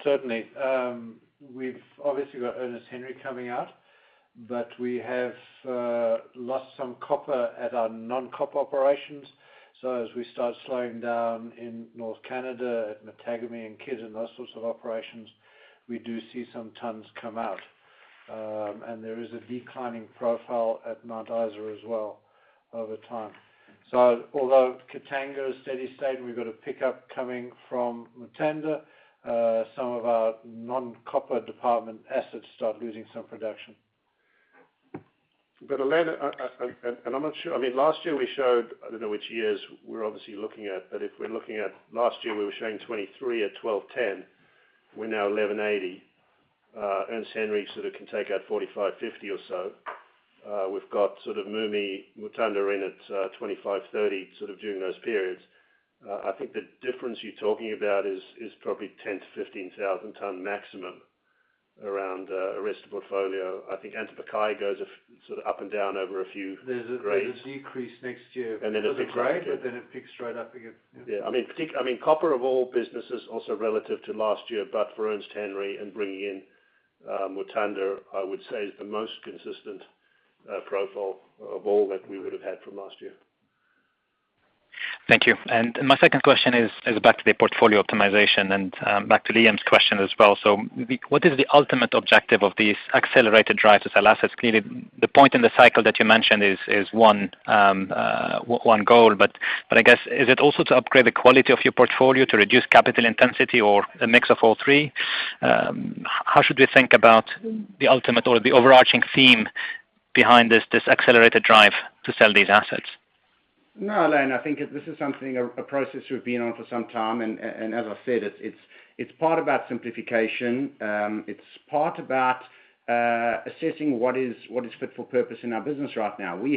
Certainly. We've obviously got Ernest Henry coming out, but we have lost some copper at our non-copper operations. As we start slowing down in northern Canada at Matagami and Kidd and those sorts of operations, we do see some tons come out. There is a declining profile at Mount Isa as well over time. Although Katanga is steady state, we've got a pickup coming from Mutanda, some of our non-copper dependent assets start losing some production. Alain, I'm not sure. I mean, last year we showed, I don't know which years we're obviously looking at, but if we're looking at last year, we were showing 23 at 1,210, we're now 1,180. Ernest Henry sort of can take out 45, 50 or so. We've got sort of MUMI, Mutanda in at 25, 30 sort of during those periods. I think the difference you're talking about is probably 10,000-15,000 tons maximum around the rest of the portfolio. I think Antamina goes sort of up and down over a few grades. There's a decrease next year. It picks up again. It picks right up again. Yeah. Yeah. I mean, copper of all businesses also relative to last year, but for Ernest Henry and bringing in Mutanda, I would say is the most consistent profile of all that we would have had from last year. Thank you. My second question is back to the portfolio optimization and, back to Liam's question as well. What is the ultimate objective of these accelerated drives to sell assets? Clearly, the point in the cycle that you mentioned is one goal. But I guess, is it also to upgrade the quality of your portfolio to reduce capital intensity or a mix of all three? How should we think about the ultimate or the overarching theme behind this accelerated drive to sell these assets? No, Alain, I think this is something, a process we've been on for some time, and as I've said, it's part about simplification. It's part about assessing what is fit for purpose in our business right now. We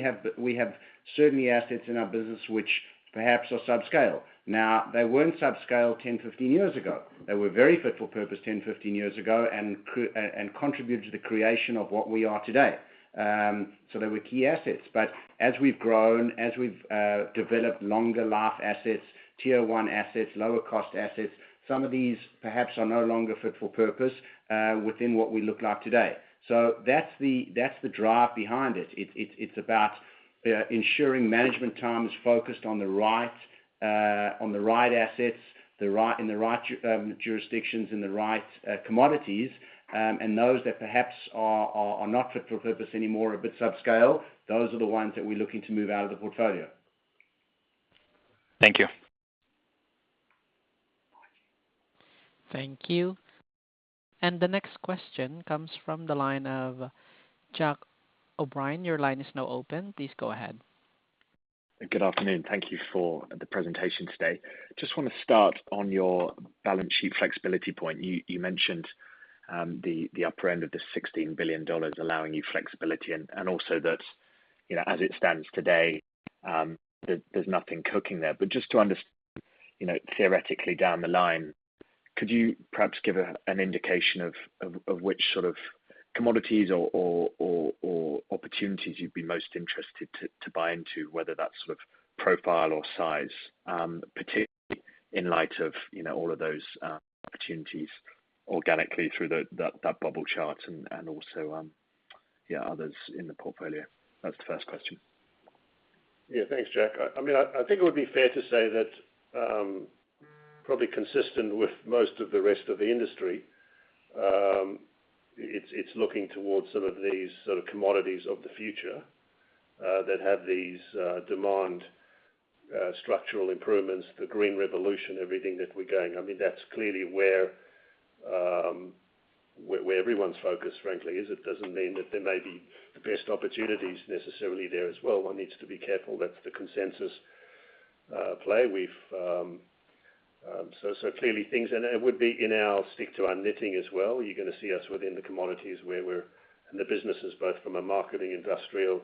have certain assets in our business which perhaps are subscale. Now, they weren't subscale 10, 15 years ago. They were very fit for purpose 10, 15 years ago and contributed to the creation of what we are today. So they were key assets. As we've grown, developed longer life assets, tier one assets, lower cost assets, some of these perhaps are no longer fit for purpose within what we look like today. That's the drive behind it. It's about ensuring management time is focused on the right assets, the right jurisdictions and the right commodities. Those that perhaps are not fit for purpose anymore, a bit subscale are the ones that we're looking to move out of the portfolio. Thank you. Thank you. The next question comes from the line of Jack O'Brien. Your line is now open. Please go ahead. Good afternoon. Thank you for the presentation today. Just wanna start on your balance sheet flexibility point. You mentioned the upper end of the $16 billion allowing you flexibility and also that, you know, as it stands today, there's nothing cooking there. But just to you know, theoretically down the line, could you perhaps give an indication of which sort of commodities or opportunities you'd be most interested to buy into, whether that's sort of profile or size in light of, you know, all of those opportunities organically through that bubble chart and also yeah, others in the portfolio? That's the first question. Yeah, thanks, Jack. I mean, I think it would be fair to say that probably consistent with most of the rest of the industry, it's looking towards some of these sort of commodities of the future that have these demand structural improvements, the green revolution, everything that we're going. I mean, that's clearly where everyone's focused, frankly, is. It doesn't mean that they may be the best opportunities necessarily there as well. One needs to be careful. That's the consensus play. It would be in our interest to stick to our knitting as well. You're gonna see us within the commodities where we're and the businesses, both from a marketing, industrial,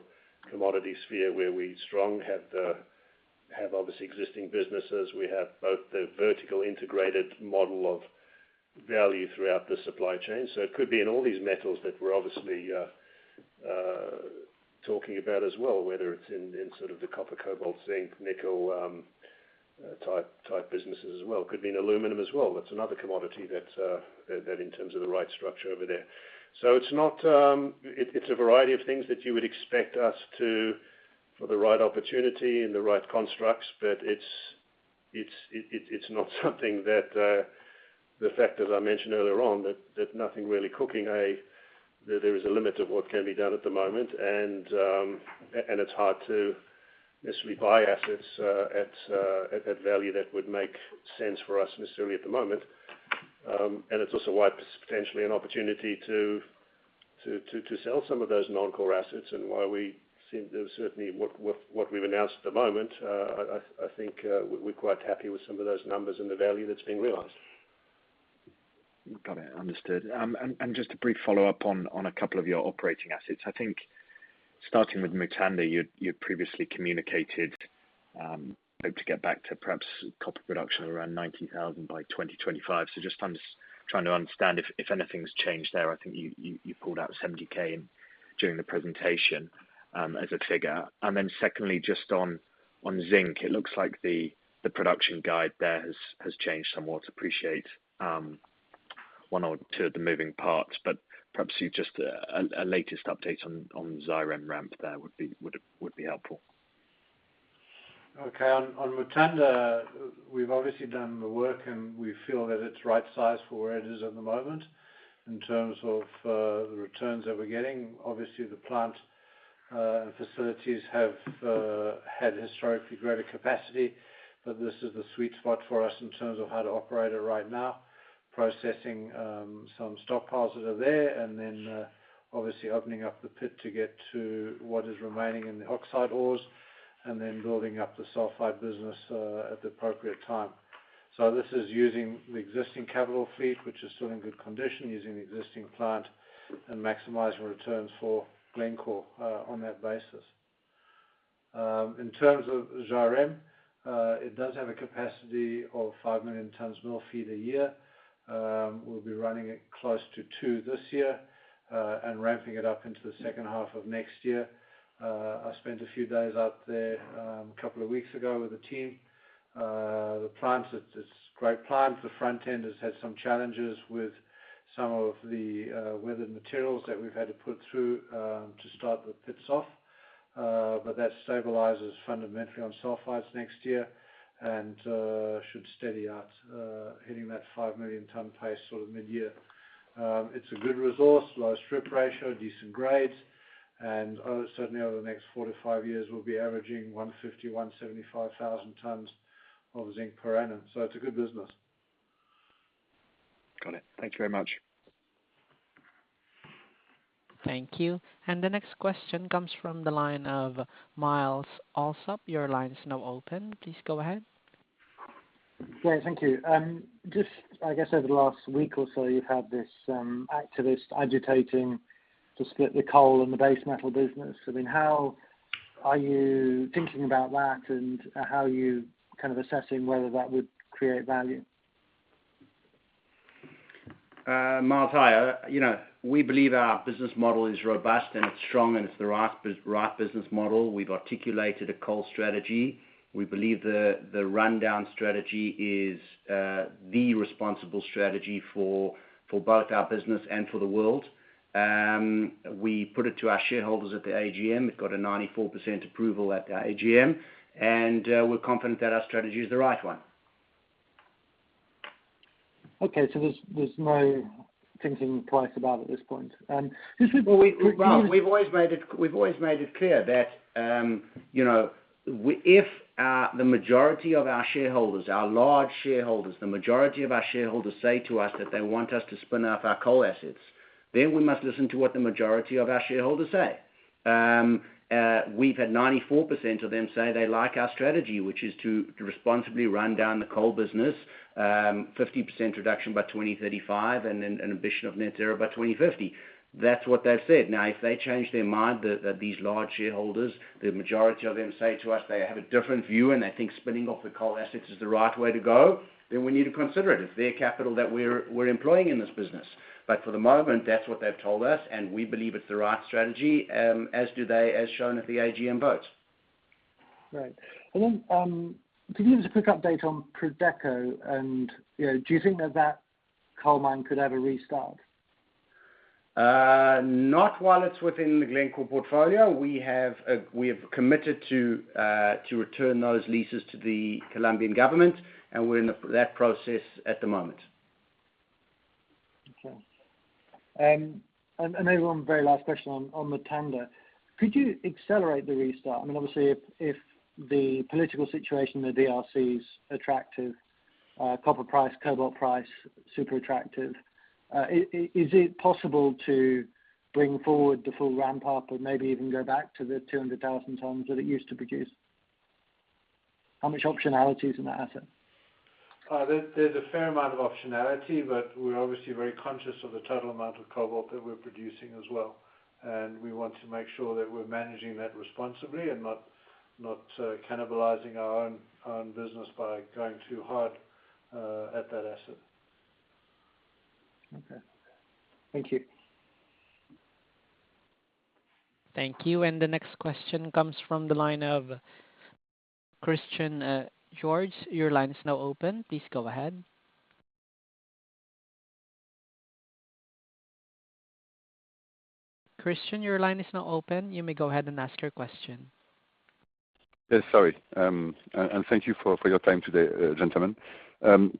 commodity sphere where we're strong, have obviously existing businesses. We have both the vertically integrated model of value throughout the supply chain. It could be in all these metals that we're obviously talking about as well, whether it's in sort of the copper, cobalt, zinc, nickel type businesses as well. It could be in aluminum as well. That's another commodity that, in terms of the right structure over there. It's a variety of things that you would expect us to for the right opportunity and the right constructs, but it's not something that, as I mentioned earlier on, nothing really cooking. There is a limit of what can be done at the moment. It's hard to necessarily buy assets at that value that would make sense for us necessarily at the moment. It's also why potentially an opportunity to sell some of those non-core assets and why we see, certainly with what we've announced at the moment, I think, we're quite happy with some of those numbers and the value that's been realized. Got it. Understood. And just a brief follow-up on a couple of your operating assets. I think starting with Mutanda, you'd previously communicated hope to get back to perhaps copper production around 90,000 by 2025. Just trying to understand if anything's changed there. I think you pulled out 70K during the presentation as a figure. Secondly, just on zinc, it looks like the production guide there has changed somewhat. I appreciate one or two of the moving parts, but perhaps you just the latest update on Zhairem ramp there would be helpful. Okay. On Mutanda, we've obviously done the work, and we feel that it's right size for where it is at the moment in terms of the returns that we're getting. Obviously, the plant facilities have had historically greater capacity, but this is the sweet spot for us in terms of how to operate it right now, processing some stockpiles that are there and then obviously opening up the pit to get to what is remaining in the oxide ores and then building up the sulfide business at the appropriate time. This is using the existing capital fleet, which is still in good condition, using the existing plant and maximize returns for Glencore on that basis. In terms of Zhairem, it does have a capacity of 5 million tons mill feed a year. We'll be running it close to two this year, and ramping it up into the second half of next year. I spent a few days out there a couple of weeks ago with the team. The plant, it's a great plant. The front end has had some challenges with some of the weathered materials that we've had to put through to start the pits off. But that stabilizes fundamentally on sulfides next year and should steady out, hitting that 5 million ton pace sort of mid-year. It's a good resource, low strip ratio, decent grades, and certainly over the next four to five years, we'll be averaging 150-175 thousand tons of zinc per annum. It's a good business. Got it. Thank you very much. Thank you. The next question comes from the line of Myles Allsop. Your line is now open. Please go ahead. Yeah, thank you. Just I guess over the last week or so, you've had this, activist agitating to split the coal and the base metal business. I mean, how are you thinking about that and how are you kind of assessing whether that would create value? Myles, hi. You know, we believe our business model is robust and it's strong, and it's the right business model. We've articulated a coal strategy. We believe the rundown strategy is the responsible strategy for both our business and for the world. We put it to our shareholders at the AGM. It got a 94% approval at the AGM, and we're confident that our strategy is the right one. Okay. There's no thinking twice about it at this point. Just with- We've always made it clear that, you know, if the majority of our shareholders, our large shareholders, the majority of our shareholders say to us that they want us to spin off our coal assets, then we must listen to what the majority of our shareholders say. We've had 94% of them say they like our strategy, which is to responsibly run down the coal business, 50% reduction by 2035 and then an ambition of net zero by 2050. That's what they've said. Now, if they change their mind that these large shareholders, the majority of them say to us they have a different view and they think spinning off the coal assets is the right way to go, then we need to consider it. It's their capital that we're employing in this business. For the moment, that's what they've told us, and we believe it's the right strategy, as do they, as shown at the AGM vote. Right. Could you give us a quick update on Prodeco? And, you know, do you think that that coal mine could ever restart? Not while it's within the Glencore portfolio. We have committed to return those leases to the Colombian government, and we're in that process at the moment. Maybe one very last question on Mutanda. Could you accelerate the restart? I mean, obviously if the political situation in the DRC is attractive, copper price, cobalt price, super attractive, is it possible to bring forward the full ramp up or maybe even go back to the 200,000 tons that it used to produce? How much optionality is in that asset? There's a fair amount of optionality, but we're obviously very conscious of the total amount of cobalt that we're producing as well. We want to make sure that we're managing that responsibly and not cannibalizing our own business by going too hard at that asset. Okay. Thank you. Thank you. The next question comes from the line of Christian Georges. Your line is now open. Please go ahead. Christian, your line is now open. You may go ahead and ask your question. Yes, sorry. Thank you for your time today, gentlemen.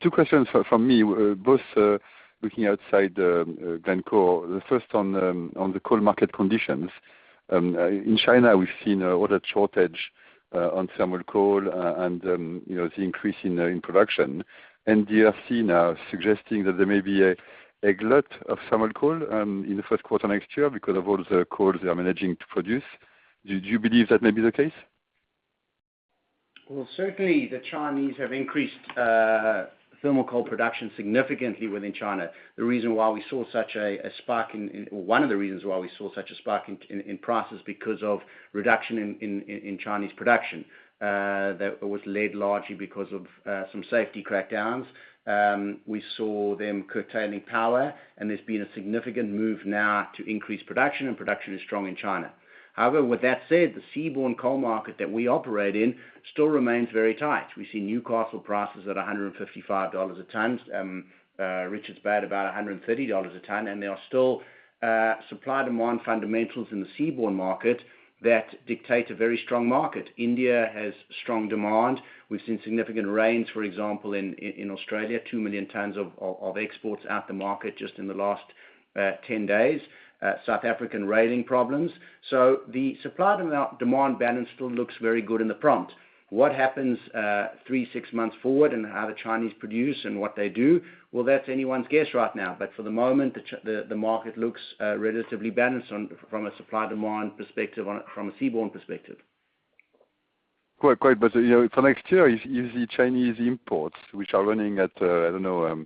Two questions from me, both looking outside Glencore. The first on the coal market conditions in China. We've seen a record shortage on thermal coal, and you know, the increase in production. DRC now suggesting that there may be a glut of thermal coal in the Q1 next year because of all the coal they are managing to produce. Do you believe that may be the case? Well, certainly the Chinese have increased thermal coal production significantly within China. One of the reasons why we saw such a spike in prices because of reduction in Chinese production that was led largely because of some safety crackdowns. We saw them curtailing power, and there's been a significant move now to increase production, and production is strong in China. However, with that said, the seaborne coal market that we operate in still remains very tight. We see Newcastle prices at $155 a ton, Richards Bay about $130 a ton. There are still supply-demand fundamentals in the seaborne market that dictate a very strong market. India has strong demand. We've seen significant rains, for example, in Australia, 2 million tons of exports out of the market just in the last 10 days. South African rain problems. The supply-demand balance still looks very good in the prompt. What happens three-six months forward, and how the Chinese produce and what they do? Well, that's anyone's guess right now. For the moment, the market looks relatively balanced from a supply-demand perspective on it, from a seaborne perspective. Quite. You know, for next year, if the Chinese imports, which are running at, I don't know,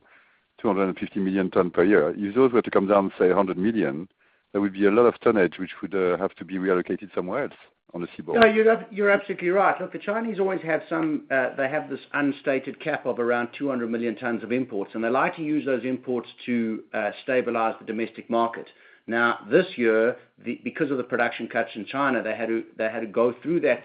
250 million tons per year, if those were to come down, say, 100 million, there would be a lot of tonnage which would have to be reallocated somewhere else on the seaborne. No, you're absolutely right. Look, the Chinese always have some, they have this unstated cap of around 200 million tons of imports, and they like to use those imports to stabilize the domestic market. Now, this year, because of the production cuts in China, they had to go through that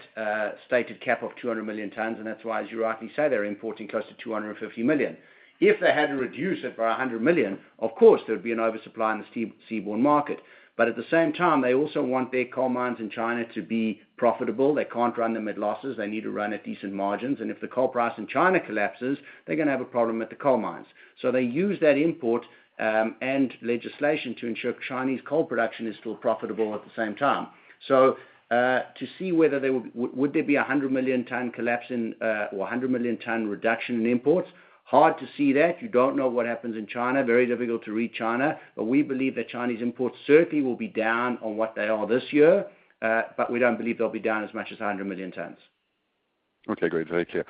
stated cap of 200 million tons, and that's why, as you rightly say, they're importing close to 250 million. If they had to reduce it by 100 million, of course, there'd be an oversupply in the seaborne market. But at the same time, they also want their coal mines in China to be profitable. They can't run them at losses. They need to run at decent margins. If the coal price in China collapses, they're gonna have a problem with the coal mines. They use that import and legislation to ensure Chinese coal production is still profitable at the same time. To see whether there would be a 100 million ton collapse in or a 100 million ton reduction in imports? Hard to see that. You don't know what happens in China. Very difficult to read China. We believe that Chinese imports certainly will be down on what they are this year, but we don't believe they'll be down as much as a 100 million tons. Okay, great. Very clear.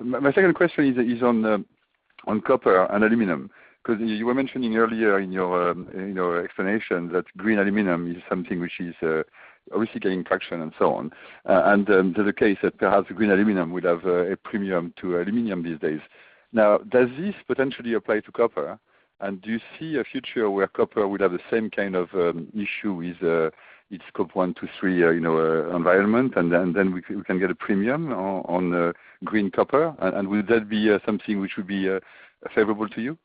My second question is on copper and aluminum, 'cause you were mentioning earlier in your explanation that green aluminum is something which is obviously gaining traction and so on. To the case that perhaps green aluminum would have a premium to aluminum these days. Now, does this potentially apply to copper? Do you see a future where copper would have the same kind of issue with its Scope 1 to 3, you know, environment, and then we can get a premium on green copper? Will that be something which would be favorable to you?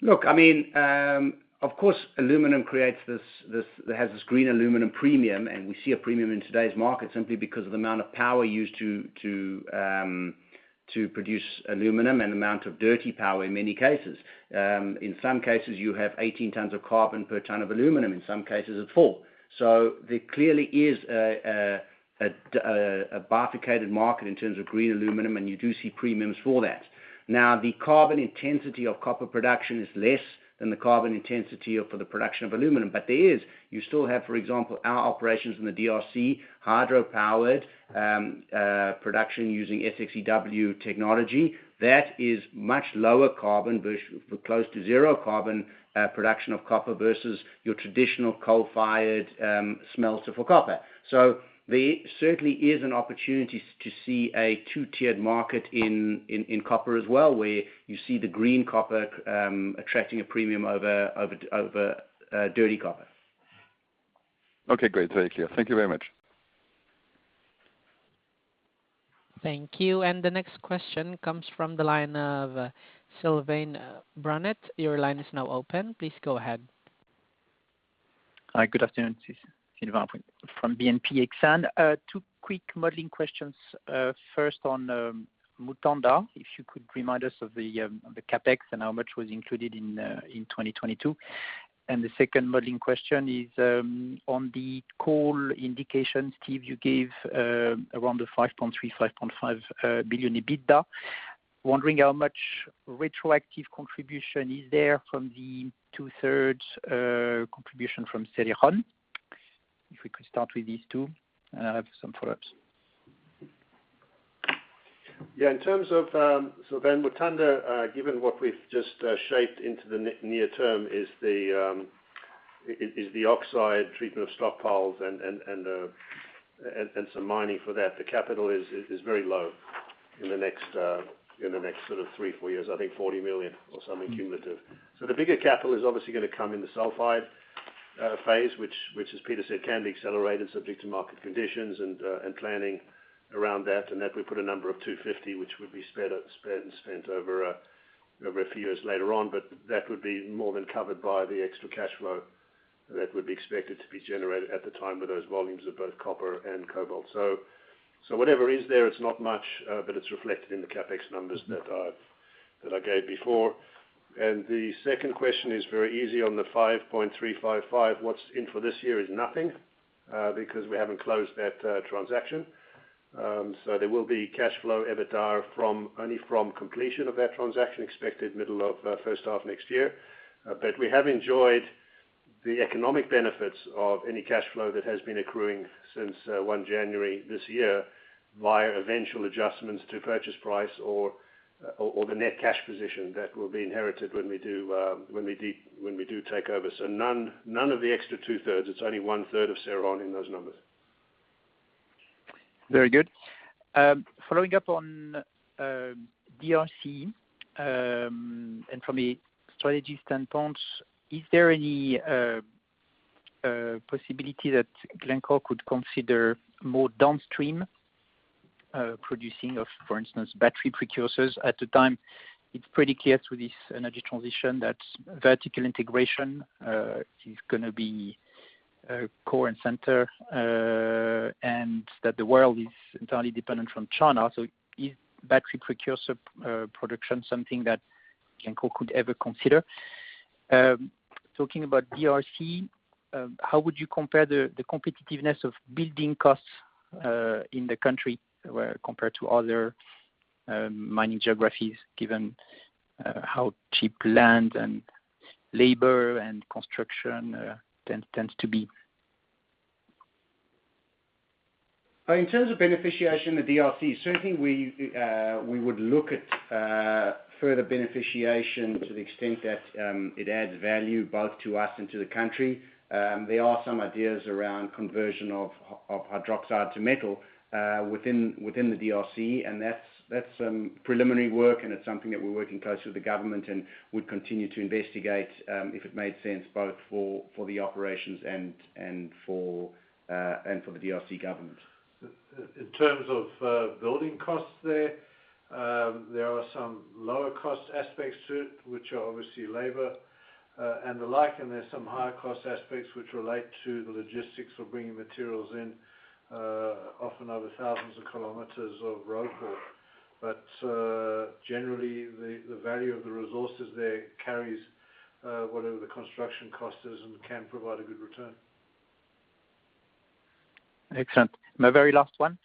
Look, I mean, of course, aluminum creates this. It has this green aluminum premium, and we see a premium in today's market simply because of the amount of power used to produce aluminum and amount of dirty power in many cases. In some cases, you have 18 tons of carbon per ton of aluminum. In some cases, it's four. There clearly is a bifurcated market in terms of green aluminum, and you do see premiums for that. Now, the carbon intensity of copper production is less than the carbon intensity for the production of aluminum. There is, you still have, for example, our operations in the DRC, hydro-powered production using SX/EW technology. That is much lower carbon, close to zero carbon production of copper versus your traditional coal-fired smelter for copper. There certainly is an opportunity to see a two-tiered market in copper as well, where you see the green copper attracting a premium over dirty copper. Okay, great. Very clear. Thank you very much. Thank you. The next question comes from the line of Sylvain Brunet. Your line is now open. Please go ahead. Hi, good afternoon. This is Sylvain from BNP Exane. Two quick modeling questions. First on Mutanda. If you could remind us of the CapEx and how much was included in 2022. The second modeling question is on the coal indications. Steve, you gave around the $5.3 billion-$5.5 billion EBITDA. Wondering how much retroactive contribution is there from the 2/3 contribution from Cerrejón. If we could start with these two, and I have some follow-ups. Yeah. In terms of Mutanda, given what we've just shaped into the near term, is the oxide treatment of stockpiles and some mining for that. The capital is very low in the next sort of three or four years. I think $40 million or something cumulative. The bigger capital is obviously gonna come in the sulfide phase, which, as Peter said, can be accelerated subject to market conditions and planning around that. That we put a number of $250 million, which would be spread and spent over a few years later on. That would be more than covered by the extra cash flow that would be expected to be generated at the time with those volumes of both copper and cobalt. Whatever is there, it's not much, but it's reflected in the CapEx numbers that I gave before. The second question is very easy. On the $5.355, what's in for this year is nothing, because we haven't closed that transaction. There will be cash flow EBITDA only from completion of that transaction, expected middle of first half next year, but we have enjoyed the economic benefits of any cash flow that has been accruing since 1 January this year via eventual adjustments to purchase price or the net cash position that will be inherited when we do take over. None of the extra 2/3, it's only 1/3 of Cerrejón in those numbers. Very good. Following up on DRC, and from a strategy standpoint, is there any possibility that Glencore could consider more downstream producing of, for instance, battery precursors at the time? It's pretty clear through this energy transition that vertical integration is gonna be core and center, and that the world is entirely dependent from China. So is battery precursor production something that Glencore could ever consider? Talking about DRC, how would you compare the competitiveness of building costs in the country where compared to other mining geographies, given how cheap land and labor and construction tends to be? In terms of beneficiation, the DRC, certainly we would look at further beneficiation to the extent that it adds value both to us and to the country. There are some ideas around conversion of hydroxide to metal within the DRC, and that's preliminary work, and it's something that we're working closely with the government and would continue to investigate if it made sense both for the operations and for the DRC government. In terms of building costs there are some lower cost aspects to it, which are obviously labor and the like, and there's some higher cost aspects which relate to the logistics of bringing materials in, often over thousands of kilometers of road haul. Generally, the value of the resources there carries whatever the construction cost is and can provide a good return. Excellent. My very last one.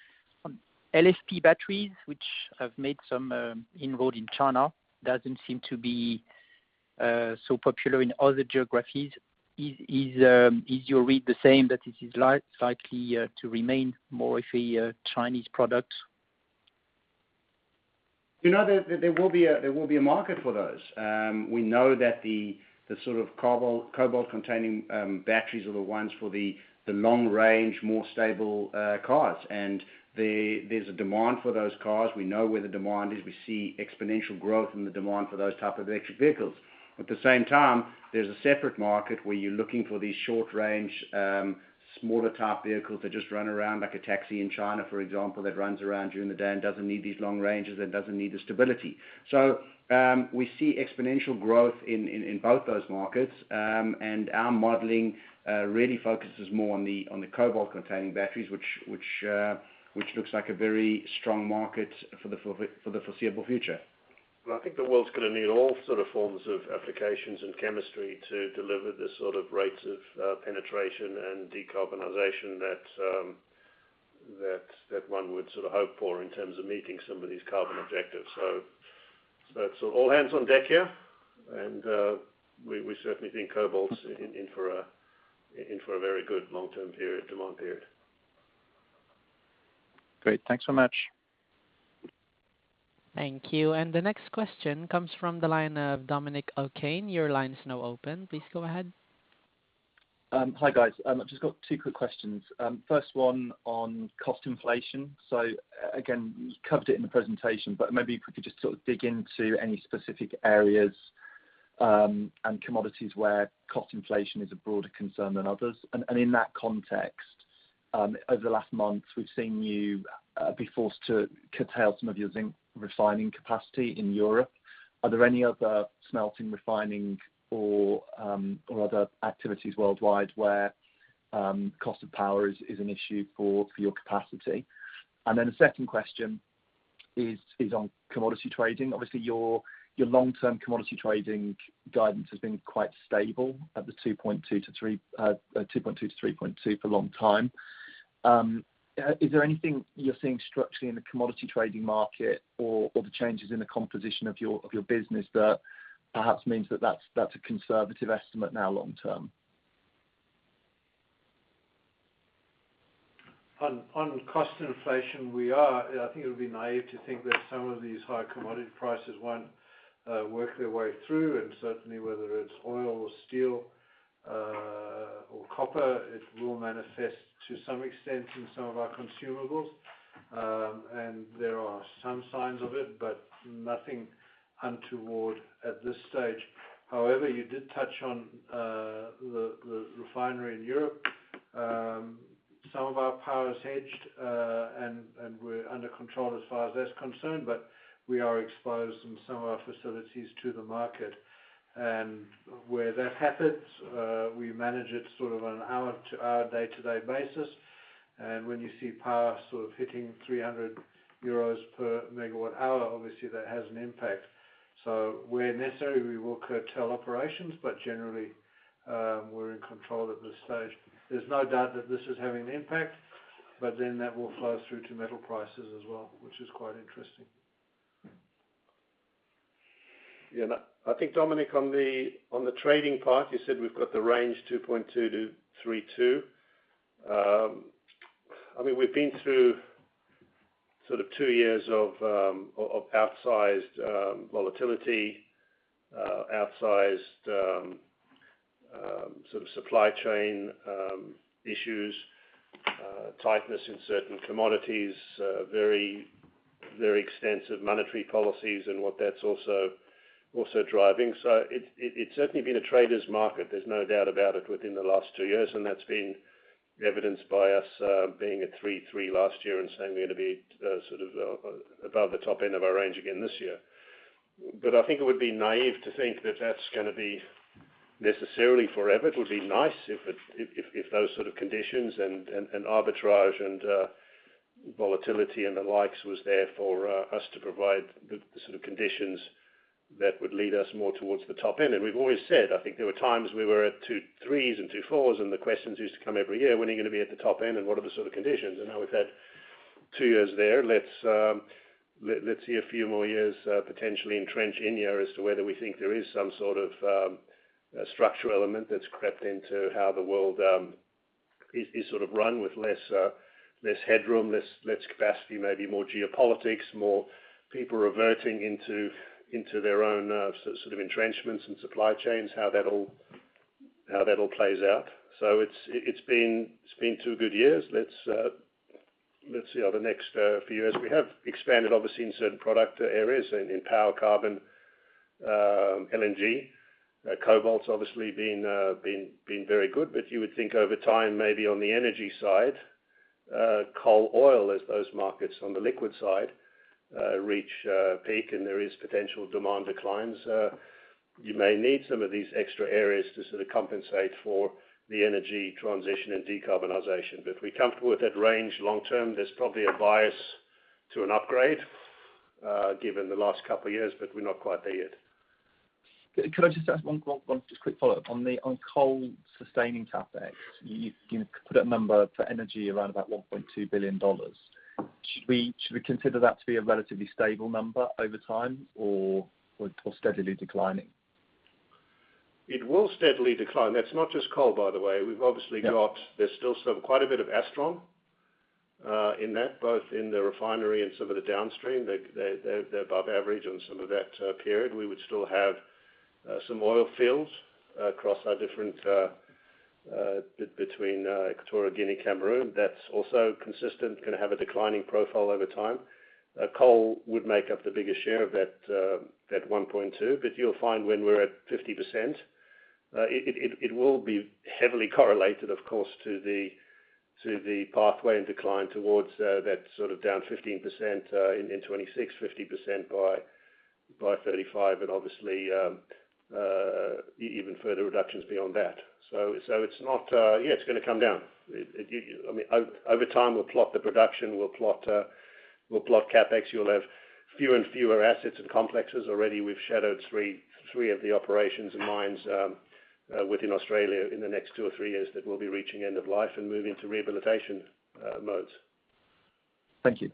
LFP batteries, which have made some inroads in China, doesn't seem to be so popular in other geographies. Is your read the same that it is likely to remain more of a Chinese product? You know, there will be a market for those. We know that the sort of cobalt-containing batteries are the ones for the long range, more stable cars. There's a demand for those cars. We know where the demand is. We see exponential growth in the demand for those type of electric vehicles. At the same time, there's a separate market where you're looking for these short-range, smaller type vehicles that just run around like a taxi in China, for example, that runs around during the day and doesn't need these long ranges and doesn't need the stability. We see exponential growth in both those markets. Our modeling really focuses more on the cobalt-containing batteries, which looks like a very strong market for the foreseeable future. Well, I think the world's gonna need all sort of forms of applications and chemistry to deliver the sort of rates of penetration and decarbonization that one would sort of hope for in terms of meeting some of these carbon objectives. It's all hands on deck here, and we certainly think cobalt's in for a very good long-term demand period. Great. Thanks so much. Thank you. The next question comes from the line of Dominic O'Kane. Your line is now open. Please go ahead. Hi, guys. I've just got two quick questions. First one on cost inflation. Again, you covered it in the presentation, but maybe if we could just sort of dig into any specific areas and commodities where cost inflation is a broader concern than others. In that context, over the last month, we've seen you be forced to curtail some of your zinc refining capacity in Europe. Are there any other smelting, refining or other activities worldwide where cost of power is an issue for your capacity? The second question is on commodity trading. Obviously your long-term commodity trading guidance has been quite stable at the 2.2-3.2 for a long time. Is there anything you're seeing structurally in the commodity trading market or the changes in the composition of your business that perhaps means that that's a conservative estimate now long term? On cost inflation, we are. I think it would be naive to think that some of these high commodity prices won't work their way through, and certainly whether it's oil or steel or copper, it will manifest to some extent in some of our consumables. There are some signs of it, but nothing untoward at this stage. However, you did touch on the refinery in Europe. Some of our power is hedged and we're under control as far as that's concerned, but we are exposed in some of our facilities to the market. Where that happens, we manage it sort of on an hour-to-hour, day-to-day basis. When you see power sort of hitting 300 euros per megawatt hour, obviously that has an impact. Where necessary, we will curtail operations, but generally, we're in control at this stage. There's no doubt that this is having an impact, but then that will flow through to metal prices as well, which is quite interesting. Yeah. No, I think Dominic, on the trading part, you said we've got the range 2.2-3.2. I mean, we've been through sort of two years of outsized volatility, outsized sort of supply chain issues, tightness in certain commodities, very extensive monetary policies and what that's also driving. So it's certainly been a trader's market, there's no doubt about it, within the last two years. That's been evidenced by us being at 3.3 last year and saying we're gonna be sort of above the top end of our range again this year. But I think it would be naive to think that that's gonna be necessarily forever. It would be nice if those sort of conditions and arbitrage and volatility and the likes was there for us to provide the sort of conditions that would lead us more towards the top end. We've always said, I think there were times we were at 2.3s and 2.4s, and the questions used to come every year, "When are you gonna be at the top end, and what are the sort of conditions?" Now we've had two years there. Let's see a few more years potentially entrenching here as to whether we think there is some sort of structural element that's crept into how the world is sort of run with less headroom, less capacity, maybe more geopolitics, more people reverting into their own sort of entrenchments and supply chains, how that all plays out. It's been two good years. Let's see how the next few years. We have expanded obviously in certain product areas and in power, carbon, LNG. Cobalt's obviously been very good, but you would think over time, maybe on the energy side, coal, oil, as those markets on the liquid side, reach a peak and there is potential demand declines, you may need some of these extra areas to sort of compensate for the energy transition and decarbonization. We're comfortable with that range long term. There's probably a bias to an upgrade, given the last couple of years, but we're not quite there yet. Could I just ask one quick follow-up. On coal sustaining CapEx, you put a number for energy around about $1.2 billion. Should we consider that to be a relatively stable number over time or steadily declining? It will steadily decline. That's not just coal, by the way. We've obviously. Yeah Got, there's still sort of quite a bit of Astron in that, both in the refinery and some of the downstream. They're above average on some of that period. We would still have some oil fields across our different between Equatorial Guinea Cameroon. That's also consistent, gonna have a declining profile over time. Coal would make up the biggest share of that 1.2. But you'll find when we're at 50%, it will be heavily correlated, of course, to the pathway and decline towards that sort of down 15% in 2026, 50% by 2035, and obviously even further reductions beyond that. It's not. Yeah, it's gonna come down. I mean, over time, we'll plot the production, CapEx. You'll have fewer and fewer assets and complexes. Already, we've shuttered three of the operations and mines within Australia in the next two or three years that we'll be reaching end of life and moving to rehabilitation modes. Thank you.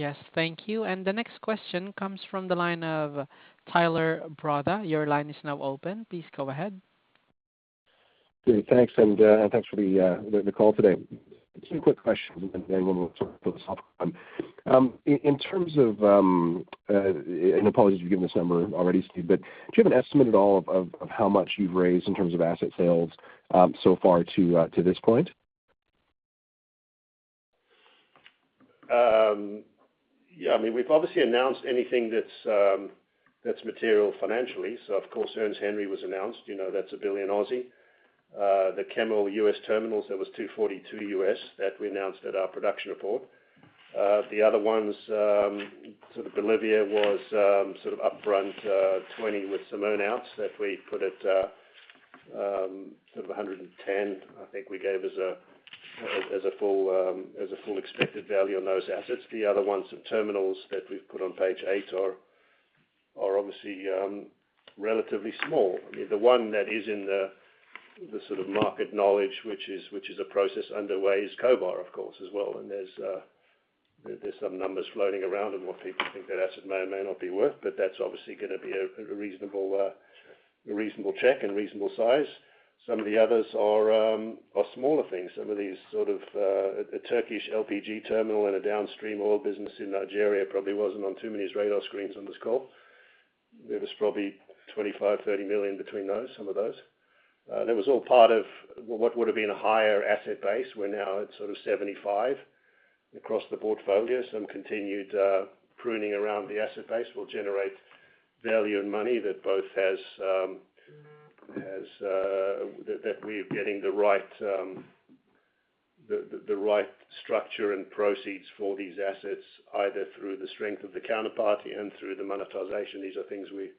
Yes. Thank you. The next question comes from the line of Tyler Broda. Your line is now open. Please go ahead. Great. Thanks. Thanks for the call today. Two quick questions, and then one will sort of build upon. In terms of, and apologies if you've given this number already, Steve, but do you have an estimate at all of how much you've raised in terms of asset sales, so far to this point? Yeah, I mean, we've obviously announced anything that's material financially. Of course, Ernest Henry was announced, you know, that's 1 billion. The Kemmerer U.S. terminals, that was $242 that we announced at our production report. The other ones, sort of Bolivia was sort of upfront $20 with some earn-outs that we put at sort of $110. I think we gave as a full expected value on those assets. The other ones, some terminals that we've put on page 8 are obviously relatively small. I mean, the one that is in the sort of market knowledge, which is a process underway, is Cobar, of course, as well. There's some numbers floating around on what people think that asset may or may not be worth, but that's obviously gonna be a reasonable check and reasonable size. Some of the others are smaller things. Some of these sort of a Turkish LPG terminal and a downstream oil business in Nigeria probably wasn't on too many radar screens on this call. There was probably $25 million-$30 million between those, some of those. That was all part of what would have been a higher asset base. We're now at sort of $75 million across the portfolio. Some continued pruning around the asset base will generate value and money that both has that we're getting the right structure and proceeds for these assets, either through the strength of the counterparty and through the monetization. These are things we're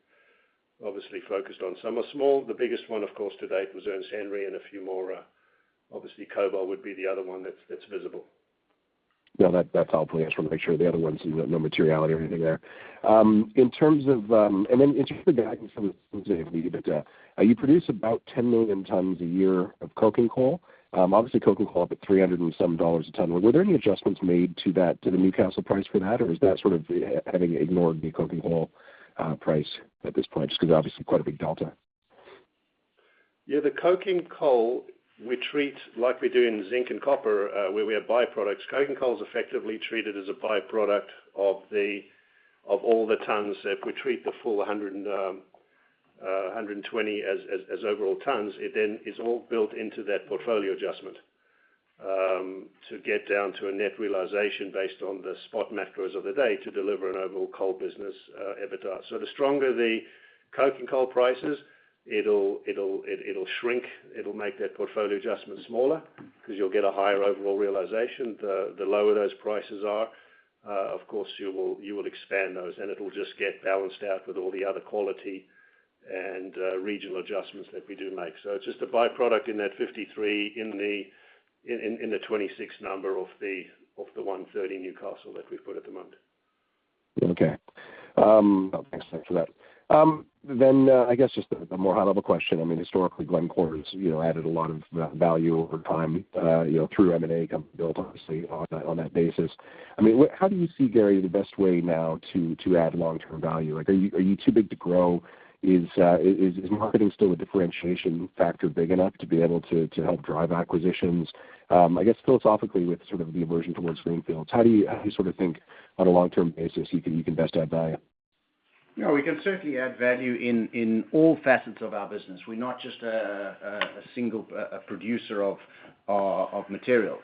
obviously focused on. Some are small. The biggest one, of course, to date was Ernest Henry and a few more, obviously Cobar would be the other one that's visible. No, that's helpful. I just wanna make sure the other ones, no materiality or anything there. In terms of the guidance from Steve, you produce about 10 million tons a year of coking coal. Obviously coking coal up at $307 a ton. Were there any adjustments made to that, to the Newcastle price for that? Or is that sort of having ignored the coking coal price at this point? Just 'cause obviously quite a big delta. Yeah, the coking coal we treat like we do in zinc and copper, where we have by-products. Coking coal is effectively treated as a by-product of all the tons. If we treat the full 120 as overall tons, it then is all built into that portfolio adjustment to get down to a net realization based on the spot markets of the day to deliver an overall coal business EBITDA. So the stronger the coking coal prices, it'll shrink. It'll make that portfolio adjustment smaller because you'll get a higher overall realization. The lower those prices are, of course you will expand those, and it'll just get balanced out with all the other quality and regional adjustments that we do make. It's just a byproduct in that 53 in the 26 number of the 130 Newcastle that we put at the moment. Okay. Thanks for that. I guess just a more high-level question. I mean, historically, Glencore has, you know, added a lot of value over time, you know, through M&A. Company built obviously on that basis. I mean, how do you see, Gary, the best way now to add long-term value? Like, are you too big to grow? Is marketing still a differentiation factor big enough to be able to help drive acquisitions? I guess philosophically with sort of the aversion towards greenfields, how do you sorta think on a long-term basis you can best add value? No, we can certainly add value in all facets of our business. We're not just a single producer of material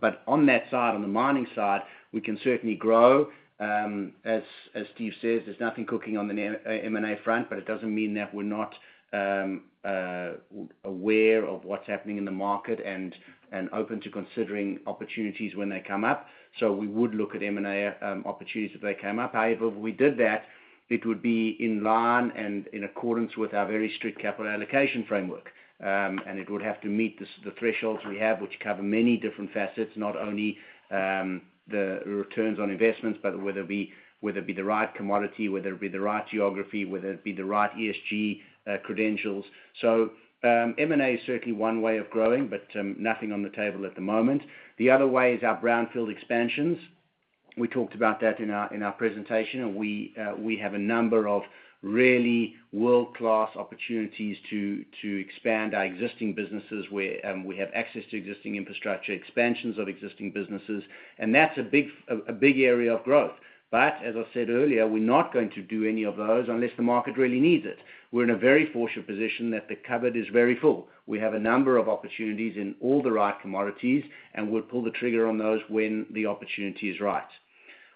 but on that side, on the mining side, we can certainly grow. As Steve says, there's nothing cooking on the M&A front, but it doesn't mean that we're not aware of what's happening in the market and open to considering opportunities when they come up. We would look at M&A opportunities if they came up. However, if we did that, it would be in line and in accordance with our very strict capital allocation framework. It would have to meet the thresholds we have, which cover many different facets. Not only the returns on investments, but whether it be the right commodity, whether it be the right geography, whether it be the right ESG credentials. M&A is certainly one way of growing, but nothing on the table at the moment. The other way is our brownfield expansions. We talked about that in our presentation, and we have a number of really world-class opportunities to expand our existing businesses where we have access to existing infrastructure, expansions of existing businesses, and that's a big area of growth. As I said earlier, we're not going to do any of those unless the market really needs it. We're in a very fortunate position that the cupboard is very full. We have a number of opportunities in all the right commodities, and we'll pull the trigger on those when the opportunity is right.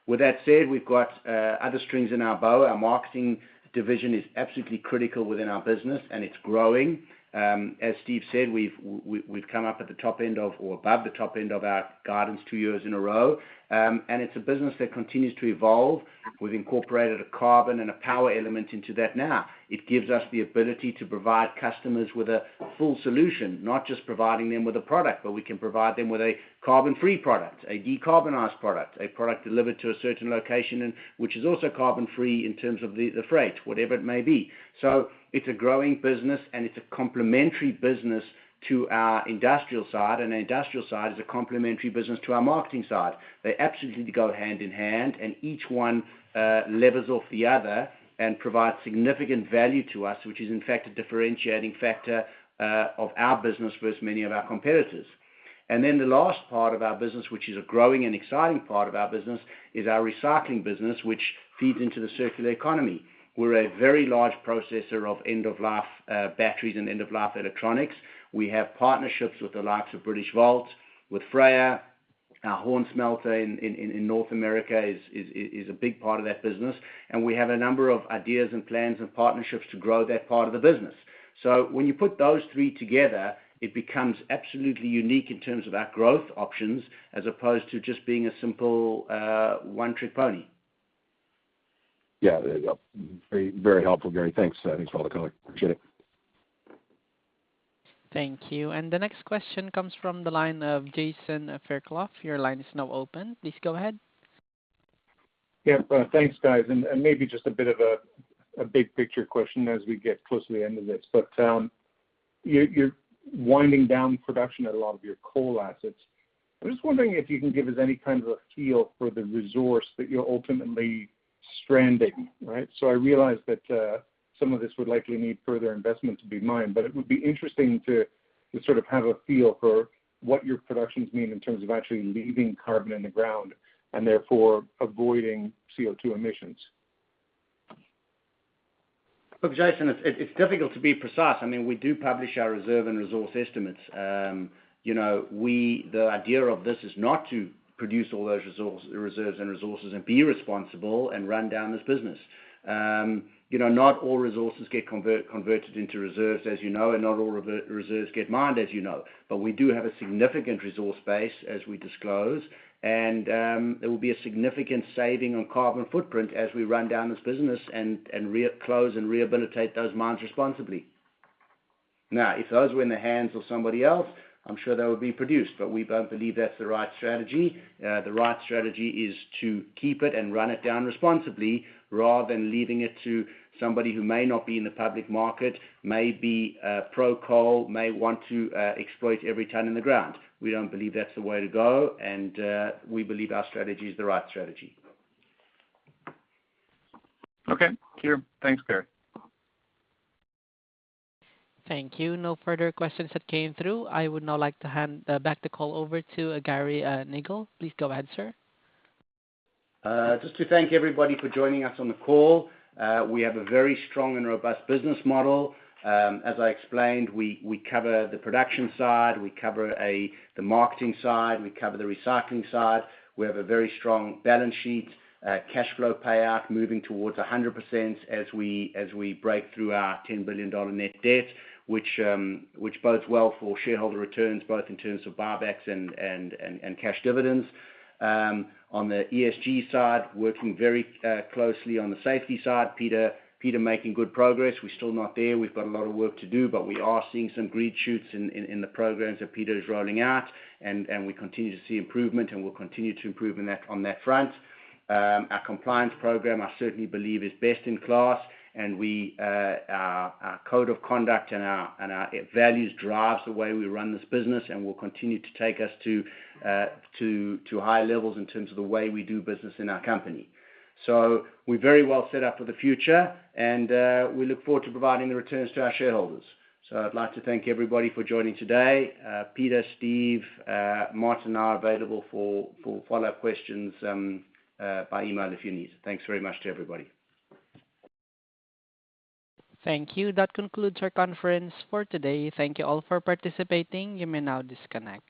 With that said, we've got other strings in our bow. Our marketing division is absolutely critical within our business, and it's growing. As Steve said, we've come up at the top end of, or above the top end of our guidance two years in a row. It's a business that continues to evolve. We've incorporated a carbon and a power element into that now. It gives us the ability to provide customers with a full solution, not just providing them with a product, but we can provide them with a carbon-free product, a decarbonized product, a product delivered to a certain location and which is also carbon free in terms of the freight, whatever it may be. It's a growing business, and it's a complementary business to our industrial side, and our industrial side is a complementary business to our marketing side. They absolutely go hand in hand, and each one levers off the other and provides significant value to us, which is in fact a differentiating factor of our business versus many of our competitors. Then the last part of our business, which is a growing and exciting part of our business, is our recycling business, which feeds into the circular economy. We're a very large processor of end-of-life batteries and end-of-life electronics. We have partnerships with the likes of Britishvolt, with FREYR. Our Horne Smelter in North America is a big part of that business, and we have a number of ideas and plans and partnerships to grow that part of the business. When you put those three together, it becomes absolutely unique in terms of our growth options as opposed to just being a simple, one-trick pony. Yeah. There you go. Very, very helpful, Gary. Thanks. Thanks for the color. Appreciate it. Thank you. The next question comes from the line of Jason Fairclough. Your line is now open. Please go ahead. Yeah, thanks, guys. Maybe just a bit of a big picture question as we get close to the end of this. You're winding down production at a lot of your coal assets. I'm just wondering if you can give us any kind of a feel for the resource that you're ultimately stranding, right? I realize that some of this would likely need further investment to be mined, but it would be interesting to sort of have a feel for what your productions mean in terms of actually leaving carbon in the ground and therefore avoiding CO2 emissions. Look, Jason, it's difficult to be precise. I mean, we do publish our reserve and resource estimates. You know, the idea of this is not to produce all those resource, reserves and resources and be responsible and run down this business. You know, not all resources get converted into reserves, as you know, and not all reserves get mined, as you know. But we do have a significant resource base, as we disclose, and there will be a significant saving on carbon footprint as we run down this business and close and rehabilitate those mines responsibly. Now, if those were in the hands of somebody else, I'm sure they would be produced, but we don't believe that's the right strategy. The right strategy is to keep it and run it down responsibly rather than leaving it to somebody who may not be in the public market, may be pro-coal, may want to exploit every ton in the ground. We don't believe that's the way to go, and we believe our strategy is the right strategy. Okay. Sure. Thanks, Gary. Thank you. No further questions have came through. I would now like to hand back the call over to Gary Nagle. Please go ahead, sir. Just to thank everybody for joining us on the call. We have a very strong and robust business model. As I explained, we cover the production side, we cover the marketing side, we cover the recycling side. We have a very strong balance sheet, cash flow payout moving towards 100% as we break through our $10 billion net debt, which bodes well for shareholder returns both in terms of buybacks and cash dividends. On the ESG side, working very closely on the safety side. Peter making good progress. We're still not there. We've got a lot of work to do, but we are seeing some green shoots in the programs that Peter is rolling out, and we continue to see improvement, and we'll continue to improve in that, on that front. Our compliance program, I certainly believe, is best in class, and our code of conduct and our values drives the way we run this business and will continue to take us to high levels in terms of the way we do business in our company. We're very well set up for the future, and we look forward to providing the returns to our shareholders. I'd like to thank everybody for joining today. Peter, Steve, Martin are available for follow-up questions by email if you need. Thanks very much to everybody. Thank you. That concludes our conference for today. Thank you all for participating. You may now disconnect.